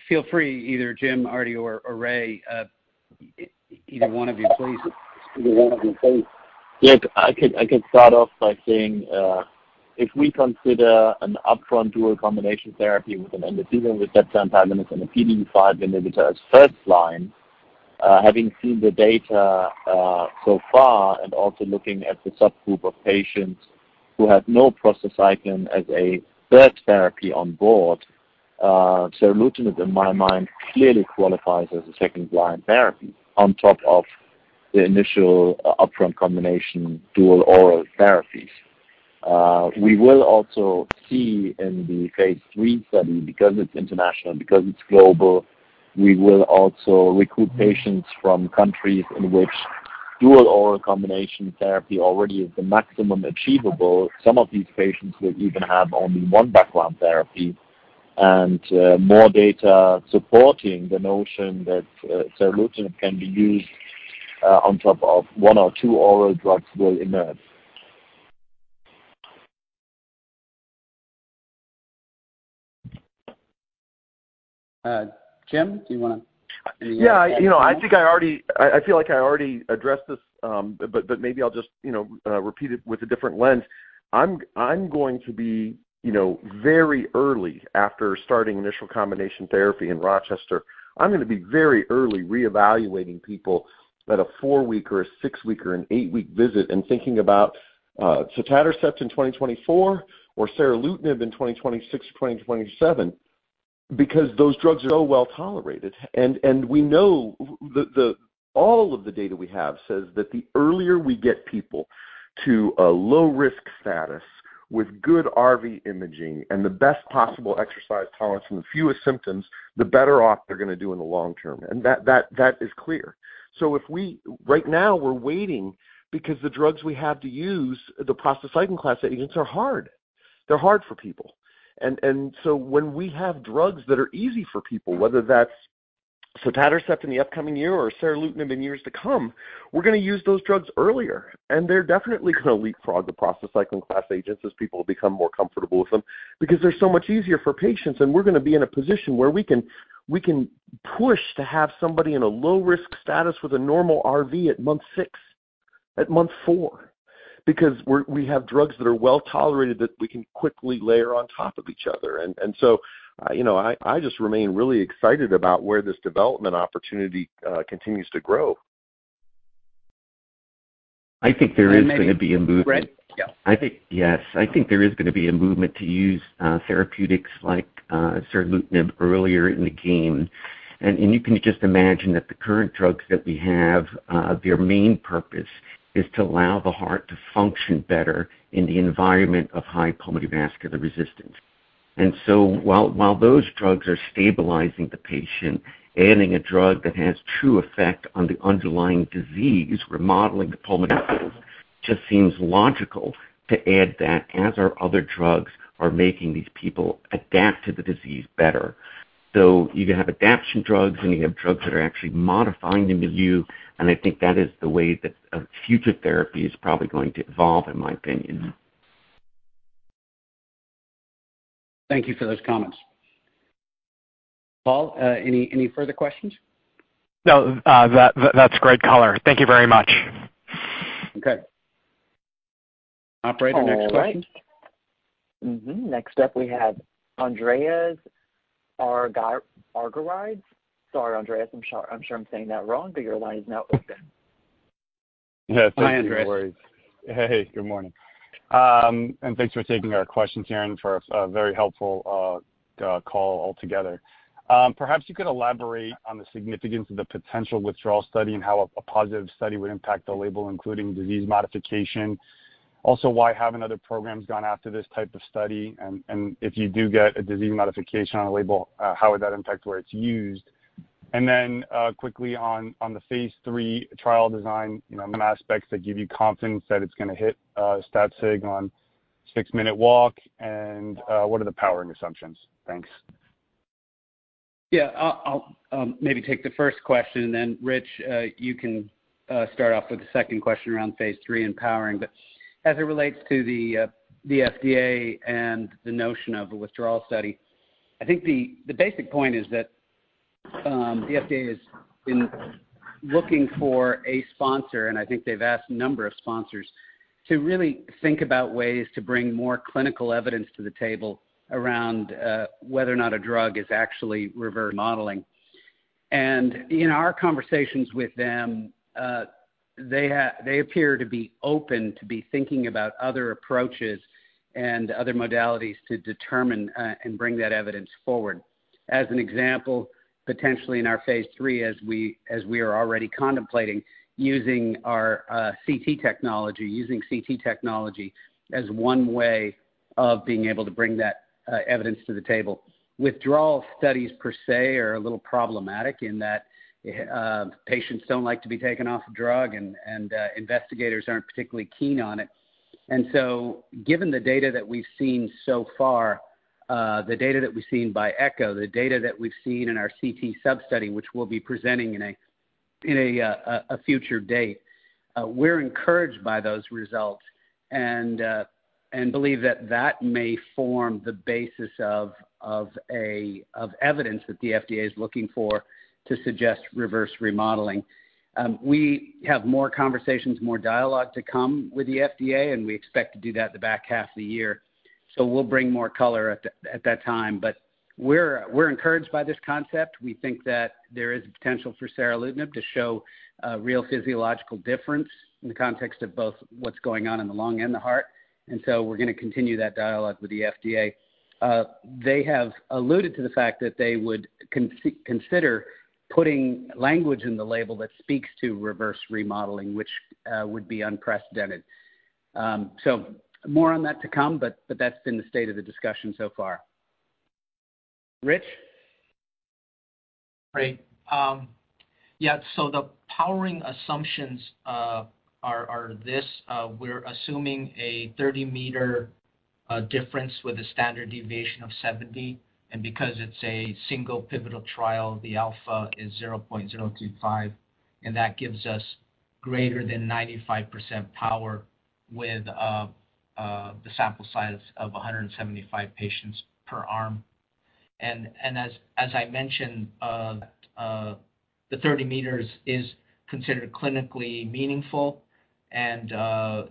[SPEAKER 2] feel free, either Jim, Ardi or Ray, either one of you, please.
[SPEAKER 6] I could start off by saying, if we consider an upfront dual combination therapy with an endothelin with uncertain time limits and a PDE5 inhibitor as first line, having seen the data so far and also looking at the subgroup of patients who have no prostacyclin as a third therapy on board, seralutinib, in my mind, clearly qualifies as a second-line therapy on top of the initial upfront combination, dual oral therapies. We will also see in the phase III study, because it's international, because it's global, we will also recruit patients from countries in which dual oral combination therapy already is the maximum achievable. Some of these patients will even have only one background therapy, and more data supporting the notion that seralutinib can be used on top of one or two oral drugs will emerge.
[SPEAKER 2] Jim, do you wanna?
[SPEAKER 7] Yeah. You know, I think I already, I feel like I already addressed this, but maybe I'll just, you know, repeat it with a different lens. I'm going to be, you know, very early after starting initial combination therapy in Rochester. I'm gonna be very early reevaluating people at a four-week or a six-week or an eight-week visit and thinking about sotatercept in 2024 or seralutinib in 2026 or 2027, because those drugs are so well tolerated. We know the, all of the data we have says that the earlier we get people to a low-risk status with good RV imaging and the best possible exercise tolerance and the fewest symptoms, the better off they're gonna do in the long term. That is clear. Right now, we're waiting because the drugs we have to use, the prostacyclin-class agents, are hard. They're hard for people. When we have drugs that are easy for people, whether that's sotatercept in the upcoming year or seralutinib in years to come, we're gonna use those drugs earlier. They're definitely gonna leapfrog the prostacyclin class agents as people become more comfortable with them because they're so much easier for patients. We're gonna be in a position where we can, we can push to have somebody in a low-risk status with a normal RV at month six, at month four, because we have drugs that are well tolerated that we can quickly layer on top of each other. You know, I just remain really excited about where this development opportunity continues to grow.
[SPEAKER 4] I think there is gonna be a movement.
[SPEAKER 2] Greg? Yeah.
[SPEAKER 4] I think, yes, I think there is gonna be a movement to use therapeutics like seralutinib earlier in the game. You can just imagine that the current drugs that we have, their main purpose is to allow the heart to function better in the environment of high pulmonary vascular resistance. While those drugs are stabilizing the patient, adding a drug that has true effect on the underlying disease, remodeling the pulmonary vessels, just seems logical to add that as our other drugs are making these people adapt to the disease better. You can have adaption drugs, and you have drugs that are actually modifying the milieu, and I think that is the way that a future therapy is probably going to evolve, in my opinion.
[SPEAKER 2] Thank you for those comments. Paul, any further questions?
[SPEAKER 10] No, that's great color. Thank you very much.
[SPEAKER 2] Okay. Operator, next question?
[SPEAKER 8] All right. Mm-hmm. Next up, we have Andreas Argyrides. Sorry, Andreas, I'm sure I'm saying that wrong. Your line is now open.
[SPEAKER 11] Yeah, thank you, Maurice.
[SPEAKER 2] Hi, Andreas.
[SPEAKER 11] Hey, good morning. Thanks for taking our questions here and for a very helpful call altogether. Perhaps you could elaborate on the significance of the potential withdrawal study and how a positive study would impact the label, including disease modification. Also, why haven't other programs gone after this type of study? If you do get a disease modification on a label, how would that impact where it's used? Then quickly on the phase III trial design, you know, some aspects that give you confidence that it's gonna hit stat sig on six-minute walk, and what are the powering assumptions? Thanks.
[SPEAKER 2] Yeah, I'll maybe take the first question. Rich, you can start off with the second question around phase III and powering. As it relates to the FDA and the notion of a withdrawal study, I think the basic point is that the FDA has been looking for a sponsor, and I think they've asked a number of sponsors, to really think about ways to bring more clinical evidence to the table around whether or not a drug is actually reverse remodeling. In our conversations with them, they appear to be open, to be thinking about other approaches and other modalities to determine and bring that evidence forward. As an example, potentially in our phase III, as we are already contemplating using our CT technology, using CT technology as one way of being able to bring that evidence to the table. Withdrawal studies, per se, are a little problematic in that patients don't like to be taken off a drug, and investigators aren't particularly keen on it. Given the data that we've seen so far, the data that we've seen by echo, the data that we've seen in our CT sub-study, which we'll be presenting in a future date, we're encouraged by those results and believe that that may form the basis of evidence that the FDA is looking for to suggest reverse remodeling. We have more conversations, more dialogue to come with the FDA. We expect to do that in the back half of the year. We'll bring more color at that time. We're encouraged by this concept. We think that there is a potential for seralutinib to show a real physiological difference in the context of both what's going on in the lung and the heart. We're gonna continue that dialogue with the FDA. They have alluded to the fact that they would consider putting language in the label that speaks to reverse remodeling, which would be unprecedented. More on that to come, but that's been the state of the discussion so far. Rich?
[SPEAKER 3] Great. The powering assumptions are this: we're assuming a 30-meter difference with a standard deviation of 70, and because it's a single pivotal trial, the alpha is 0.025, and that gives us greater than 95% power with the sample size of 175 patients per arm. As I mentioned, the 30 meters is considered clinically meaningful, and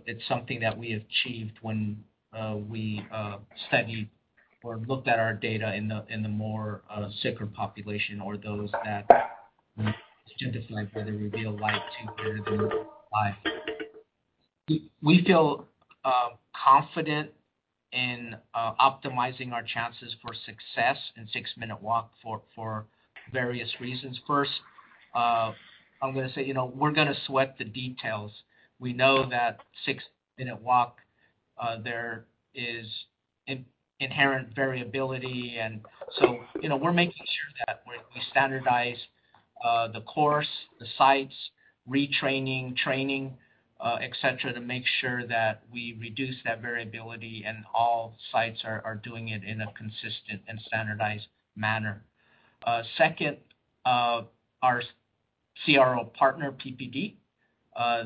[SPEAKER 3] it's something that we achieved when we studied or looked at our data in the more sicker population or those that we identified whether we be alive two years or more alive. We feel confident in optimizing our chances for success in six-minute walk for various reasons. First, I'm gonna say, you know, we're gonna sweat the details. We know that six-minute walk, there is inherent variability. you know, we're making sure that we standardize the course, the sites, retraining, training, et cetera, to make sure that we reduce that variability, and all sites are doing it in a consistent and standardized manner. Second, our CRO partner, PPD,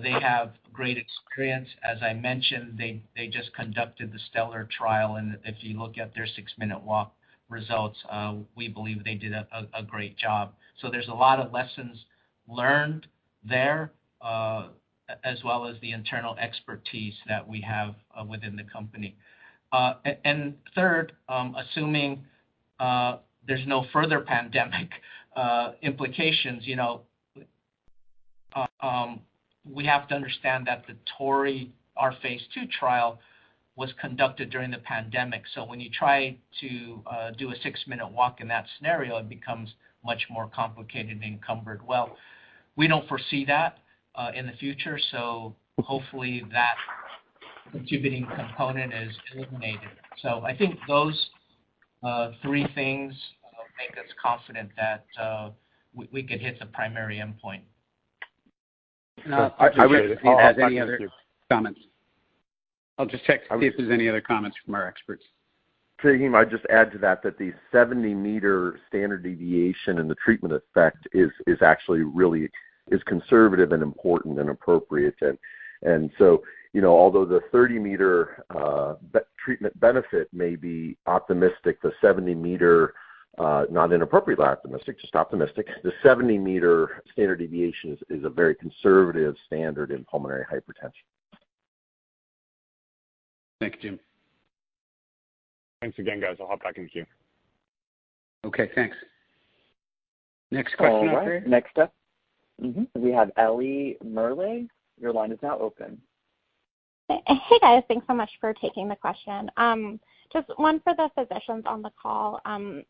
[SPEAKER 3] they have great experience. As I mentioned, they just conducted the STELLAR trial, and if you look at their six-minute walk results, we believe they did a great job. There's a lot of lessons learned there, as well as the internal expertise that we have within the company. Third, assuming there's no further pandemic implications, you know, we have to understand that the TORREY, our phase II trial, was conducted during the pandemic. When you try to do a six-minute walk in that scenario, it becomes much more complicated and encumbered. We don't foresee that in the future, so hopefully that contributing component is eliminated. I think those three things make us confident that we could hit the primary endpoint.
[SPEAKER 2] If he has any other comments? I'll just check to see if there's any other comments from our experts.
[SPEAKER 11] Faheem, I'd just add to that the 70-meter standard deviation and the treatment effect is actually really conservative and important and appropriate. You know, although the 30-meter treatment benefit may be optimistic, the 70-meter.
[SPEAKER 7] not inappropriately optimistic, just optimistic. The 70-meter standard deviation is a very conservative standard in pulmonary hypertension.
[SPEAKER 2] Thank you, Jim.
[SPEAKER 11] Thanks again, guys. I'll hop back in the queue.
[SPEAKER 2] Okay, thanks. Next question operator.
[SPEAKER 8] All right, next up- Mm-hmm, we have Ellie Merie. Your line is now open.
[SPEAKER 12] Hey, guys. Thanks so much for taking the question. Just one for the physicians on the call.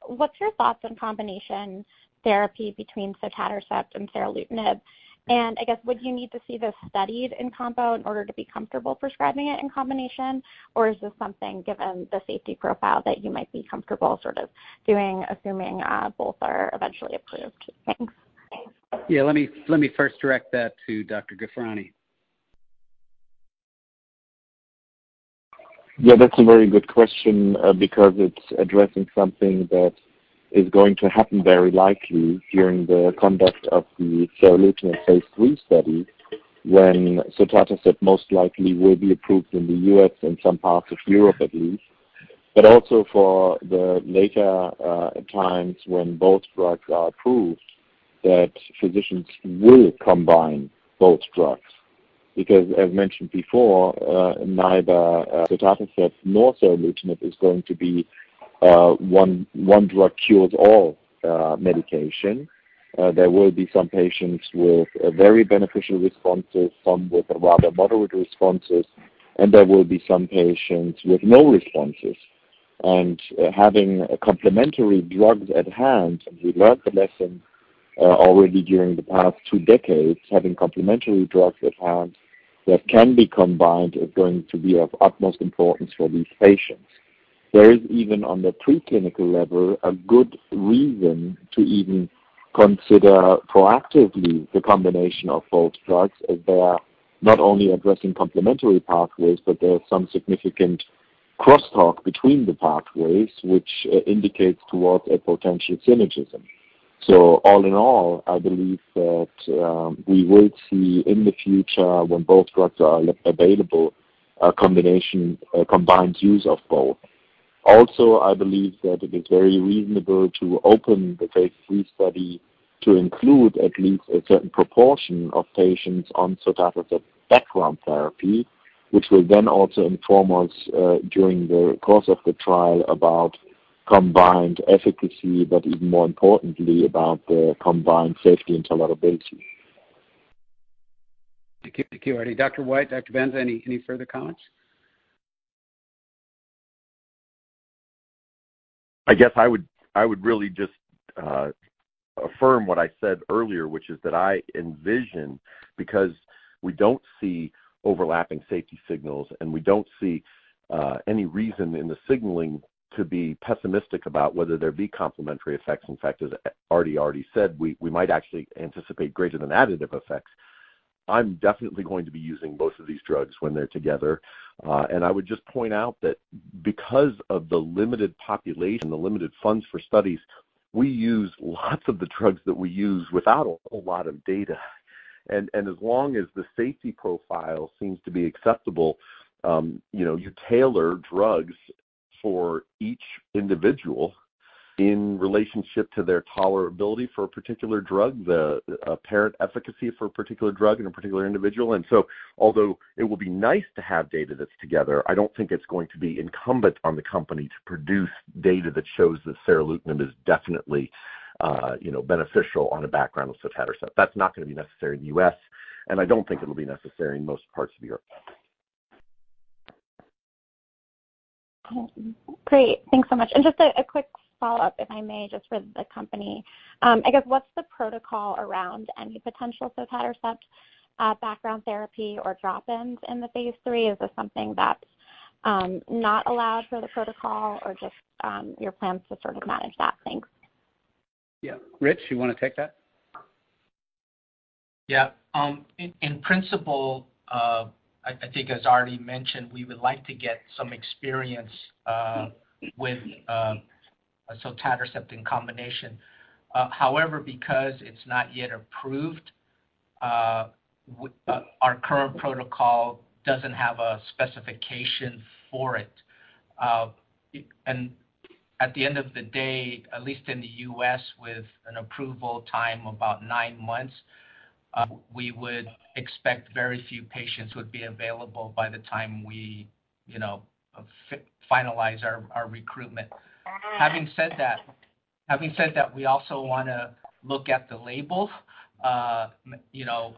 [SPEAKER 12] What's your thoughts on combination therapy between sotatercept and seralutinib? I guess, would you need to see this studied in combo in order to be comfortable prescribing it in combination? Is this something, given the safety profile, that you might be comfortable sort of doing, assuming both are eventually approved? Thanks.
[SPEAKER 2] Yeah, let me first direct that to Dr. Ghofrani.
[SPEAKER 6] Yeah, that's a very good question, because it's addressing something that is going to happen very likely during the conduct of the seralutinib phase III study, when sotatercept most likely will be approved in the U.S. and some parts of Europe, at least. Also for the later, times when both drugs are approved, that physicians will combine both drugs. As mentioned before, neither sotatercept nor seralutinib is going to be one drug cures all medication. There will be some patients with very beneficial responses, some with rather moderate responses, and there will be some patients with no responses. Having a complementary drugs at hand, we learned the lesson already during the past two decades, having complementary drugs at hand that can be combined is going to be of utmost importance for these patients. There is, even on the preclinical level, a good reason to even consider proactively the combination of both drugs, as they are not only addressing complementary pathways, but there are some significant crosstalk between the pathways, which indicates towards a potential synergism. All in all, I believe that we will see in the future, when both drugs are available, a combination, a combined use of both. Also, I believe that it is very reasonable to open the phase III study to include at least a certain proportion of patients on sotatercept background therapy, which will then also inform us during the course of the trial about combined efficacy, but even more importantly, about the combined safety and tolerability.
[SPEAKER 2] Thank you, Ardi. Dr. White, Dr. Benza, any further comments?
[SPEAKER 7] I guess I would really just affirm what I said earlier, which is that I envision, because we don't see overlapping safety signals, and we don't see any reason in the signaling to be pessimistic about whether there be complementary effects. In fact, as Ardi already said, we might actually anticipate greater than additive effects. I'm definitely going to be using both of these drugs when they're together. I would just point out that because of the limited population, the limited funds for studies, we use lots of the drugs that we use without a lot of data. As long as the safety profile seems to be acceptable, you know, you tailor drugs for each individual in relationship to their tolerability for a particular drug, the apparent efficacy for a particular drug in a particular individual. Although it will be nice to have data that's together, I don't think it's going to be incumbent on the company to produce data that shows that seralutinib is definitely, you know, beneficial on the background of sotatercept. That's not gonna be necessary in the U.S., and I don't think it'll be necessary in most parts of Europe.
[SPEAKER 12] Great. Thanks so much. Just a quick follow-up, if I may, just for the company. I guess, what's the protocol around any potential sotatercept background therapy or drop-ins in the phase III? Is this something that's not allowed for the protocol or just your plans to sort of manage that? Thanks.
[SPEAKER 2] Rich, you wanna take that?
[SPEAKER 3] Yeah. In principle, I think as Ardi mentioned, we would like to get some experience with sotatercept in combination. However, because it's not yet approved, our current protocol doesn't have a specification for it. At the end of the day, at least in the U.S., with an approval time of about nine months, we would expect very few patients would be available by the time we, you know, finalize our recruitment. Having said that, we also want to look at the label, you know,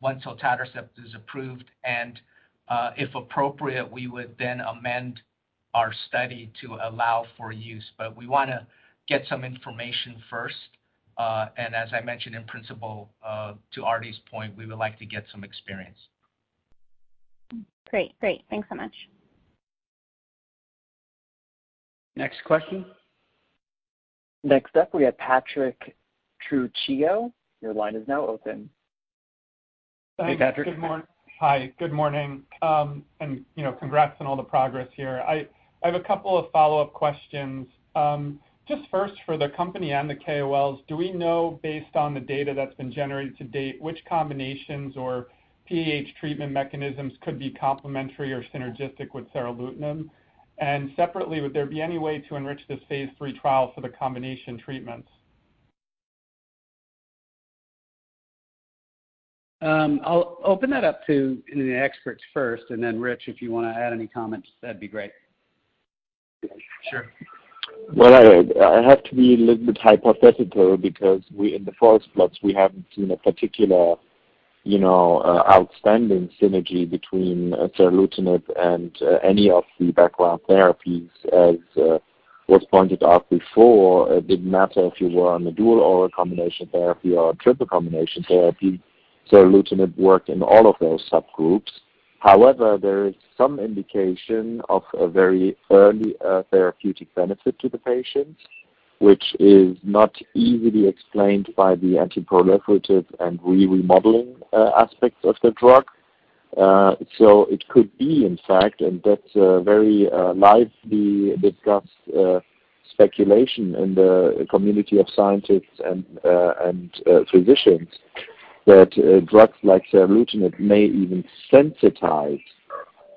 [SPEAKER 3] once sotatercept is approved, and if appropriate, we would then amend our study to allow for use. We want to get some information first. As I mentioned, in principle, to Ardi's point, we would like to get some experience.
[SPEAKER 12] Great. Great. Thanks so much.
[SPEAKER 2] Next question?
[SPEAKER 8] Next up, we have Patrick Trucchio. Your line is now open.
[SPEAKER 2] Hey, Patrick.
[SPEAKER 13] Thanks. Good morning. Hi, good morning. You know, congrats on all the progress here. I have a couple of follow-up questions. Just first for the company and the KOLs, do we know, based on the data that's been generated to date, which combinations or PAH treatment mechanisms could be complementary or synergistic with seralutinib? Separately, would there be any way to enrich this phase III trial for the combination treatments?
[SPEAKER 2] I'll open that up to any of the experts first, then Rich, if you want to add any comments, that'd be great.
[SPEAKER 13] Sure.
[SPEAKER 6] Well, I have to be a little bit hypothetical because we, in the forest plots, we haven't seen a particular, you know, outstanding synergy between seralutinib and any of the background therapies. As was pointed out before, it didn't matter if you were on the dual oral combination therapy or triple combination therapy, seralutinib worked in all of those subgroups. However, there is some indication of a very early therapeutic benefit to the patients, which is not easily explained by the anti-proliferative and re-remodeling aspects of the drug. It could be, in fact, and that's a very lively discussed speculation in the community of scientists and and physicians, that drugs like seralutinib may even sensitize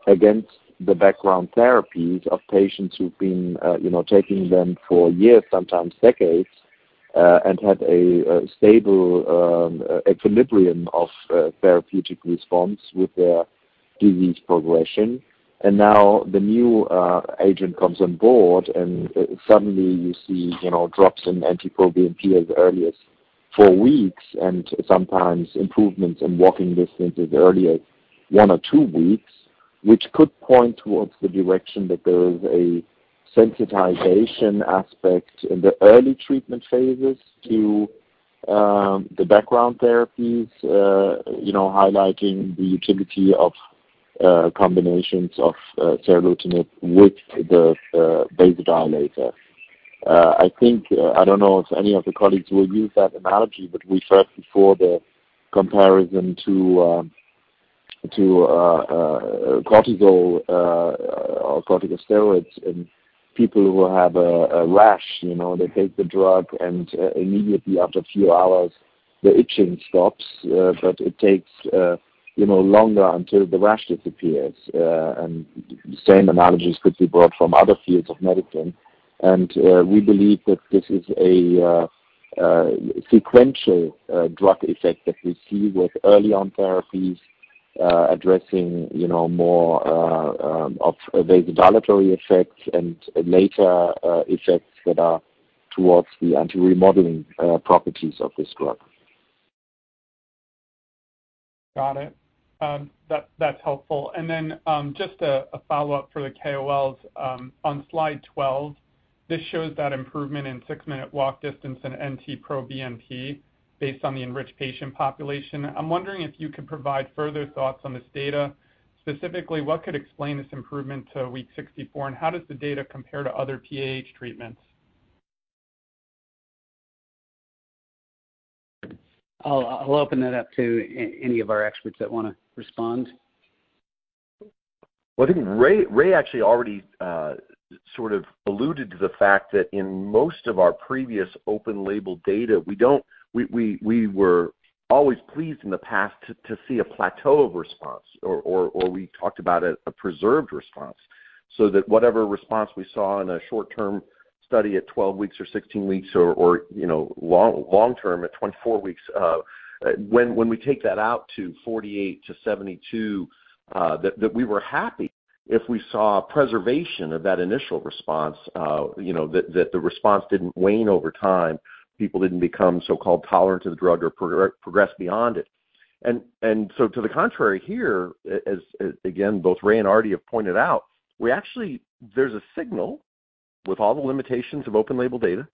[SPEAKER 6] against the background therapies of patients who've been, you know, taking them for years, sometimes decades, and have a stable equilibrium of therapeutic response with their disease progression. And now the new agent comes on board, and suddenly you see, you know, drops in NT-proBNP as early as four weeks, and sometimes improvements in walking distance as early as one or two weeks, which could point towards the direction that there is a sensitization aspect in the early treatment phases to the background therapies, you know, highlighting the utility of combinations of seralutinib with the vasodilator. I think, I don't know if any of the colleagues will use that analogy, but we first before the comparison to cortisol, or corticosteroids in people who have a rash, you know, they take the drug, and immediately after a few hours, the itching stops, but it takes, you know, longer until the rash disappears. The same analogies could be brought from other fields of medicine. We believe that this is a sequential drug effect that we see with early on therapies, addressing, you know, more of vasodilatory effects and later effects that are towards the anti-remodeling properties of this drug.
[SPEAKER 13] Got it. That's, that's helpful. Just a follow-up for the KOLs. On slide 12, this shows that improvement in six-minute walk distance in NT-proBNP based on the enriched patient population. I'm wondering if you could provide further thoughts on this data. Specifically, what could explain this improvement to week 64, and how does the data compare to other PAH treatments?
[SPEAKER 2] I'll open that up to any of our experts that want to respond.
[SPEAKER 7] Well, I think Ray actually already sort of alluded to the fact that in most of our previous open-label data, we were always pleased in the past to see a plateau of response or we talked about a preserved response, so that whatever response we saw in a short-term study at 12 weeks or 16 weeks or, you know, long-term at 24 weeks, when we take that out to 48-72, that we were happy if we saw preservation of that initial response, you know, that the response didn't wane over time. People didn't become so-called tolerant to the drug or progress beyond it. To the contrary here, as again, both Ray and Arti have pointed out, we actually... There's a signal with all the limitations of open label data,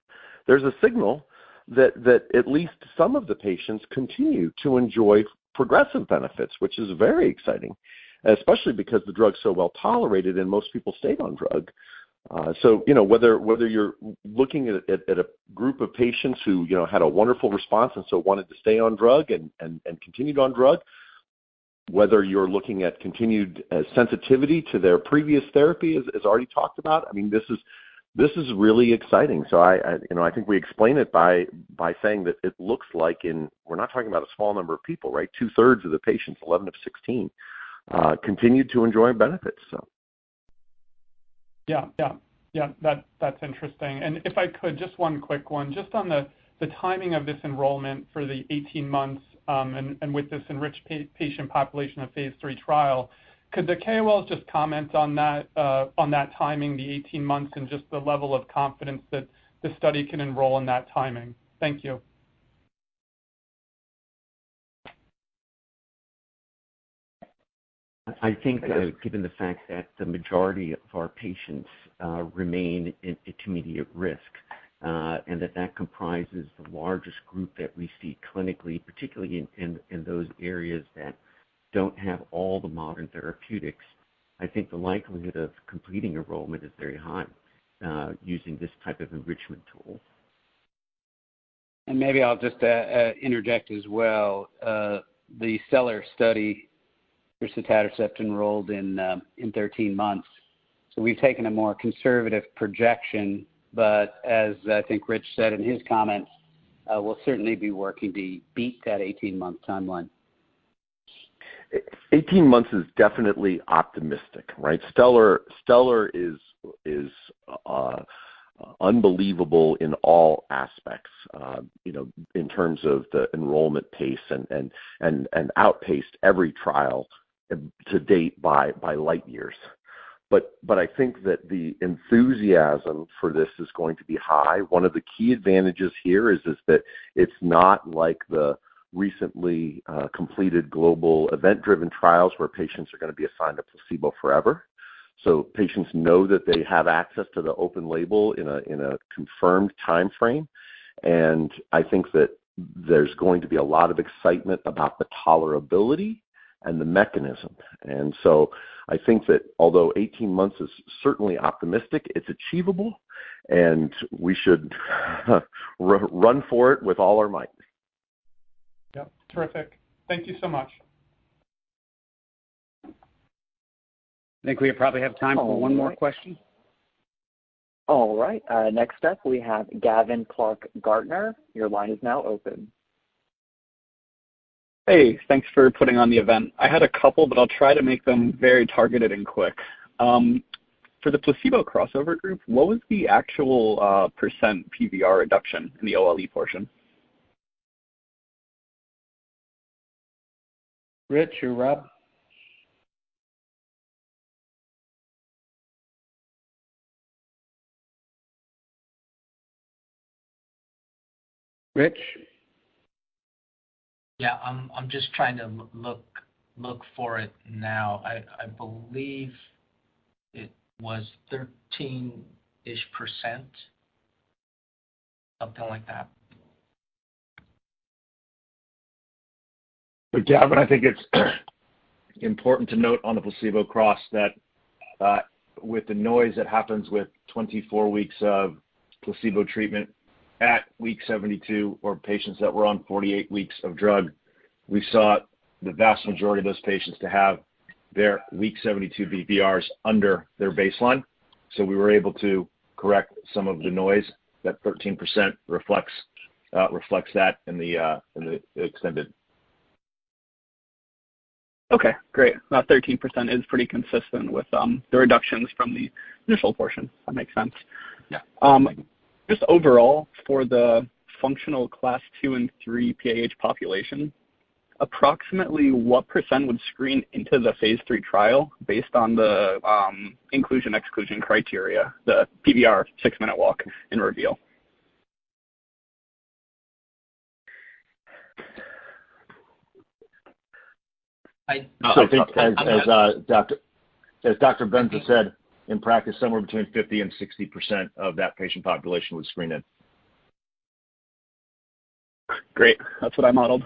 [SPEAKER 7] there's a signal that at least some of the patients continue to enjoy progressive benefits, which is very exciting, especially because the drug is so well tolerated and most people stay on drug. You know, whether you're looking at a group of patients who, you know, had a wonderful response and wanted to stay on drug and continued on drug, whether you're looking at continued sensitivity to their previous therapy, as Ardi talked about, I mean, this is really exciting. I, you know, I think we explain it by saying that it looks like we're not talking about a small number of people, right? Two-thirds of the patients, 11 of 16, continued to enjoy benefits, so.
[SPEAKER 13] Yeah. Yeah. Yeah, that's interesting. If I could, just one quick one, just on the timing of this enrollment for the 18 months, and with this enriched patient population of phase III trial, could the KOLs just comment on that on that timing, the 18 months, and just the level of confidence that the study can enroll in that timing? Thank you.
[SPEAKER 4] I think, given the fact that the majority of our patients, remain at intermediate risk, and that that comprises the largest group that we see clinically, particularly in, in those areas that don't have all the modern therapeutics, I think the likelihood of completing enrollment is very high, using this type of enrichment tool.
[SPEAKER 2] Maybe I'll just interject as well. The STELLAR study for sotatercept enrolled in 13 months. We've taken a more conservative projection, but as I think Rich said in his comments, we'll certainly be working to beat that 18-month timeline.
[SPEAKER 7] 18 months is definitely optimistic, right? Stellar is unbelievable in all aspects, you know, in terms of the enrollment pace and outpaced every trial to date by light years. I think that the enthusiasm for this is going to be high. One of the key advantages here is that it's not like the recently completed global event-driven trials where patients are gonna be assigned a placebo forever. Patients know that they have access to the open label in a confirmed time frame, and I think that there's going to be a lot of excitement about the tolerability and the mechanism. I think that although 18 months is certainly optimistic, it's achievable, and we should run for it with all our might. Yep. Terrific. Thank you so much.
[SPEAKER 2] I think I probably have time for one more question.
[SPEAKER 8] All right, next up, we have Gavin Clark-Gartner. Your line is now open.
[SPEAKER 14] Hey, thanks for putting on the event. I had a couple, but I'll try to make them very targeted and quick. For the placebo crossover group, what was the actual percent PVR reduction in the OLE portion?
[SPEAKER 2] Rich or Rob? Rich?
[SPEAKER 3] Yeah, I'm just trying to look for it now. I believe it was thirteen-ish percent, something like that.
[SPEAKER 4] Gavin, I think it's important to note on the placebo cross that, with the noise that happens with 24 weeks of placebo treatment at week 72, or patients that were on 48 weeks of drug, we saw the vast majority of those patients to have their week 72 BPRs under their baseline. We were able to correct some of the noise that 13% reflects that in the, in the extended.
[SPEAKER 14] Okay, great. That 13% is pretty consistent with the reductions from the initial portion. That makes sense.
[SPEAKER 4] Yeah.
[SPEAKER 14] Just overall, for the functional class 2 and 3 PAH population, approximately what % would screen into the phase III trial based on the inclusion, exclusion criteria, the PVR 6-minute walk in REVEAL?
[SPEAKER 7] [CROSSTALK] I think as Dr. Benza said, in practice, somewhere between 50 and 60% of that patient population would screen in.
[SPEAKER 14] Great. That's what I modeled.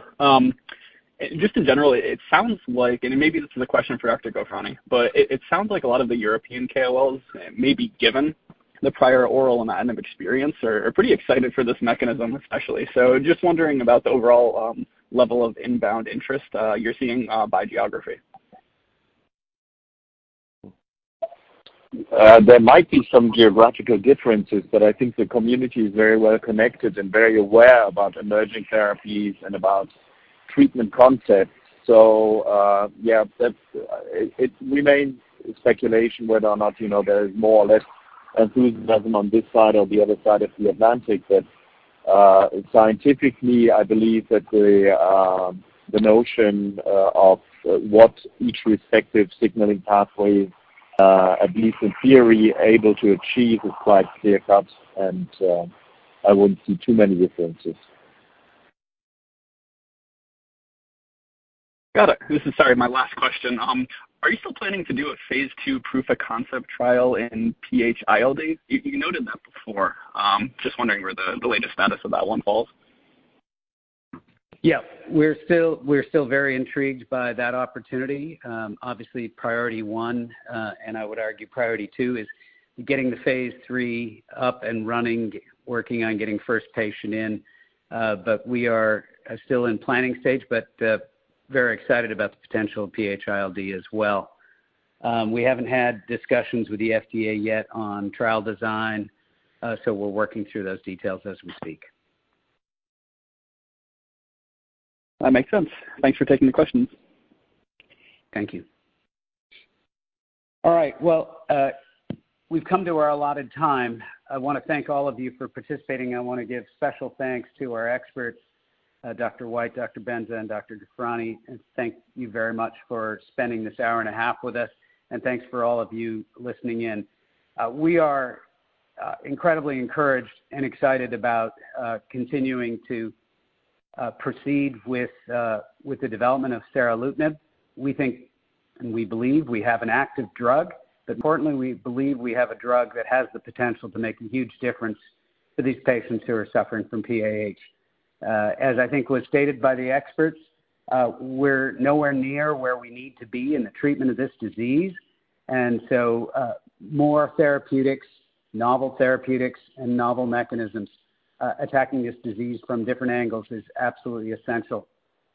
[SPEAKER 14] Just in general, it sounds like, and maybe this is a question for Dr. Ghofrani, but it sounds like a lot of the European KOLs, maybe given the prior oral amount of experience, are pretty excited for this mechanism, especially. Just wondering about the overall level of inbound interest you're seeing by geography?
[SPEAKER 6] There might be some geographical differences, but I think the community is very well connected and very aware about emerging therapies and about treatment concepts. It remains speculation whether or not, you know, there is more or less enthusiasm on this side or the other side of the Atlantic. Scientifically, I believe that the notion of what each respective signaling pathway, at least in theory, able to achieve is quite clear-cut, and I wouldn't see too many differences.
[SPEAKER 14] Got it. This is, sorry, my last question. Are you still planning to do a phase II proof of concept trial in PH-ILD? You noted that before. Just wondering where the latest status of that one falls.
[SPEAKER 2] Yeah. We're still very intrigued by that opportunity. obviously, priority one, and I would argue priority two, is getting the phase III up and running, working on getting first patient in. We are still in planning stage, but very excited about the potential of PH-ILD as well. We haven't had discussions with the FDA yet on trial design, we're working through those details as we speak.
[SPEAKER 14] That makes sense. Thanks for taking the questions.
[SPEAKER 2] Thank you. All right. We've come to our allotted time. I wanna thank all of you for participating. I wanna give special thanks to our experts, Dr. White, Dr. Benza, and Dr. Ghofrani, thank you very much for spending this hour and a half with us. Thanks for all of you listening in. We are incredibly encouraged and excited about continuing to proceed with the development of seralutinib. We think and we believe we have an active drug, importantly, we believe we have a drug that has the potential to make a huge difference to these patients who are suffering from PAH. As I think was stated by the experts, we're nowhere near where we need to be in the treatment of this disease. More therapeutics, novel therapeutics, and novel mechanisms, attacking this disease from different angles is absolutely essential.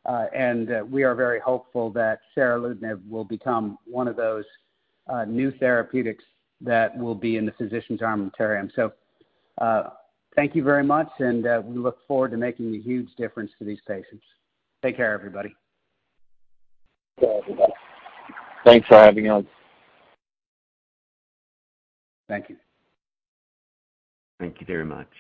[SPEAKER 2] We are very hopeful that seralutinib will become one of those, new therapeutics that will be in the physician's armamentarium. Thank you very much, and, we look forward to making a huge difference to these patients. Take care, everybody.
[SPEAKER 6] Bye, everybody.
[SPEAKER 7] Thanks for having us.
[SPEAKER 2] Thank you.
[SPEAKER 6] Thank you very much.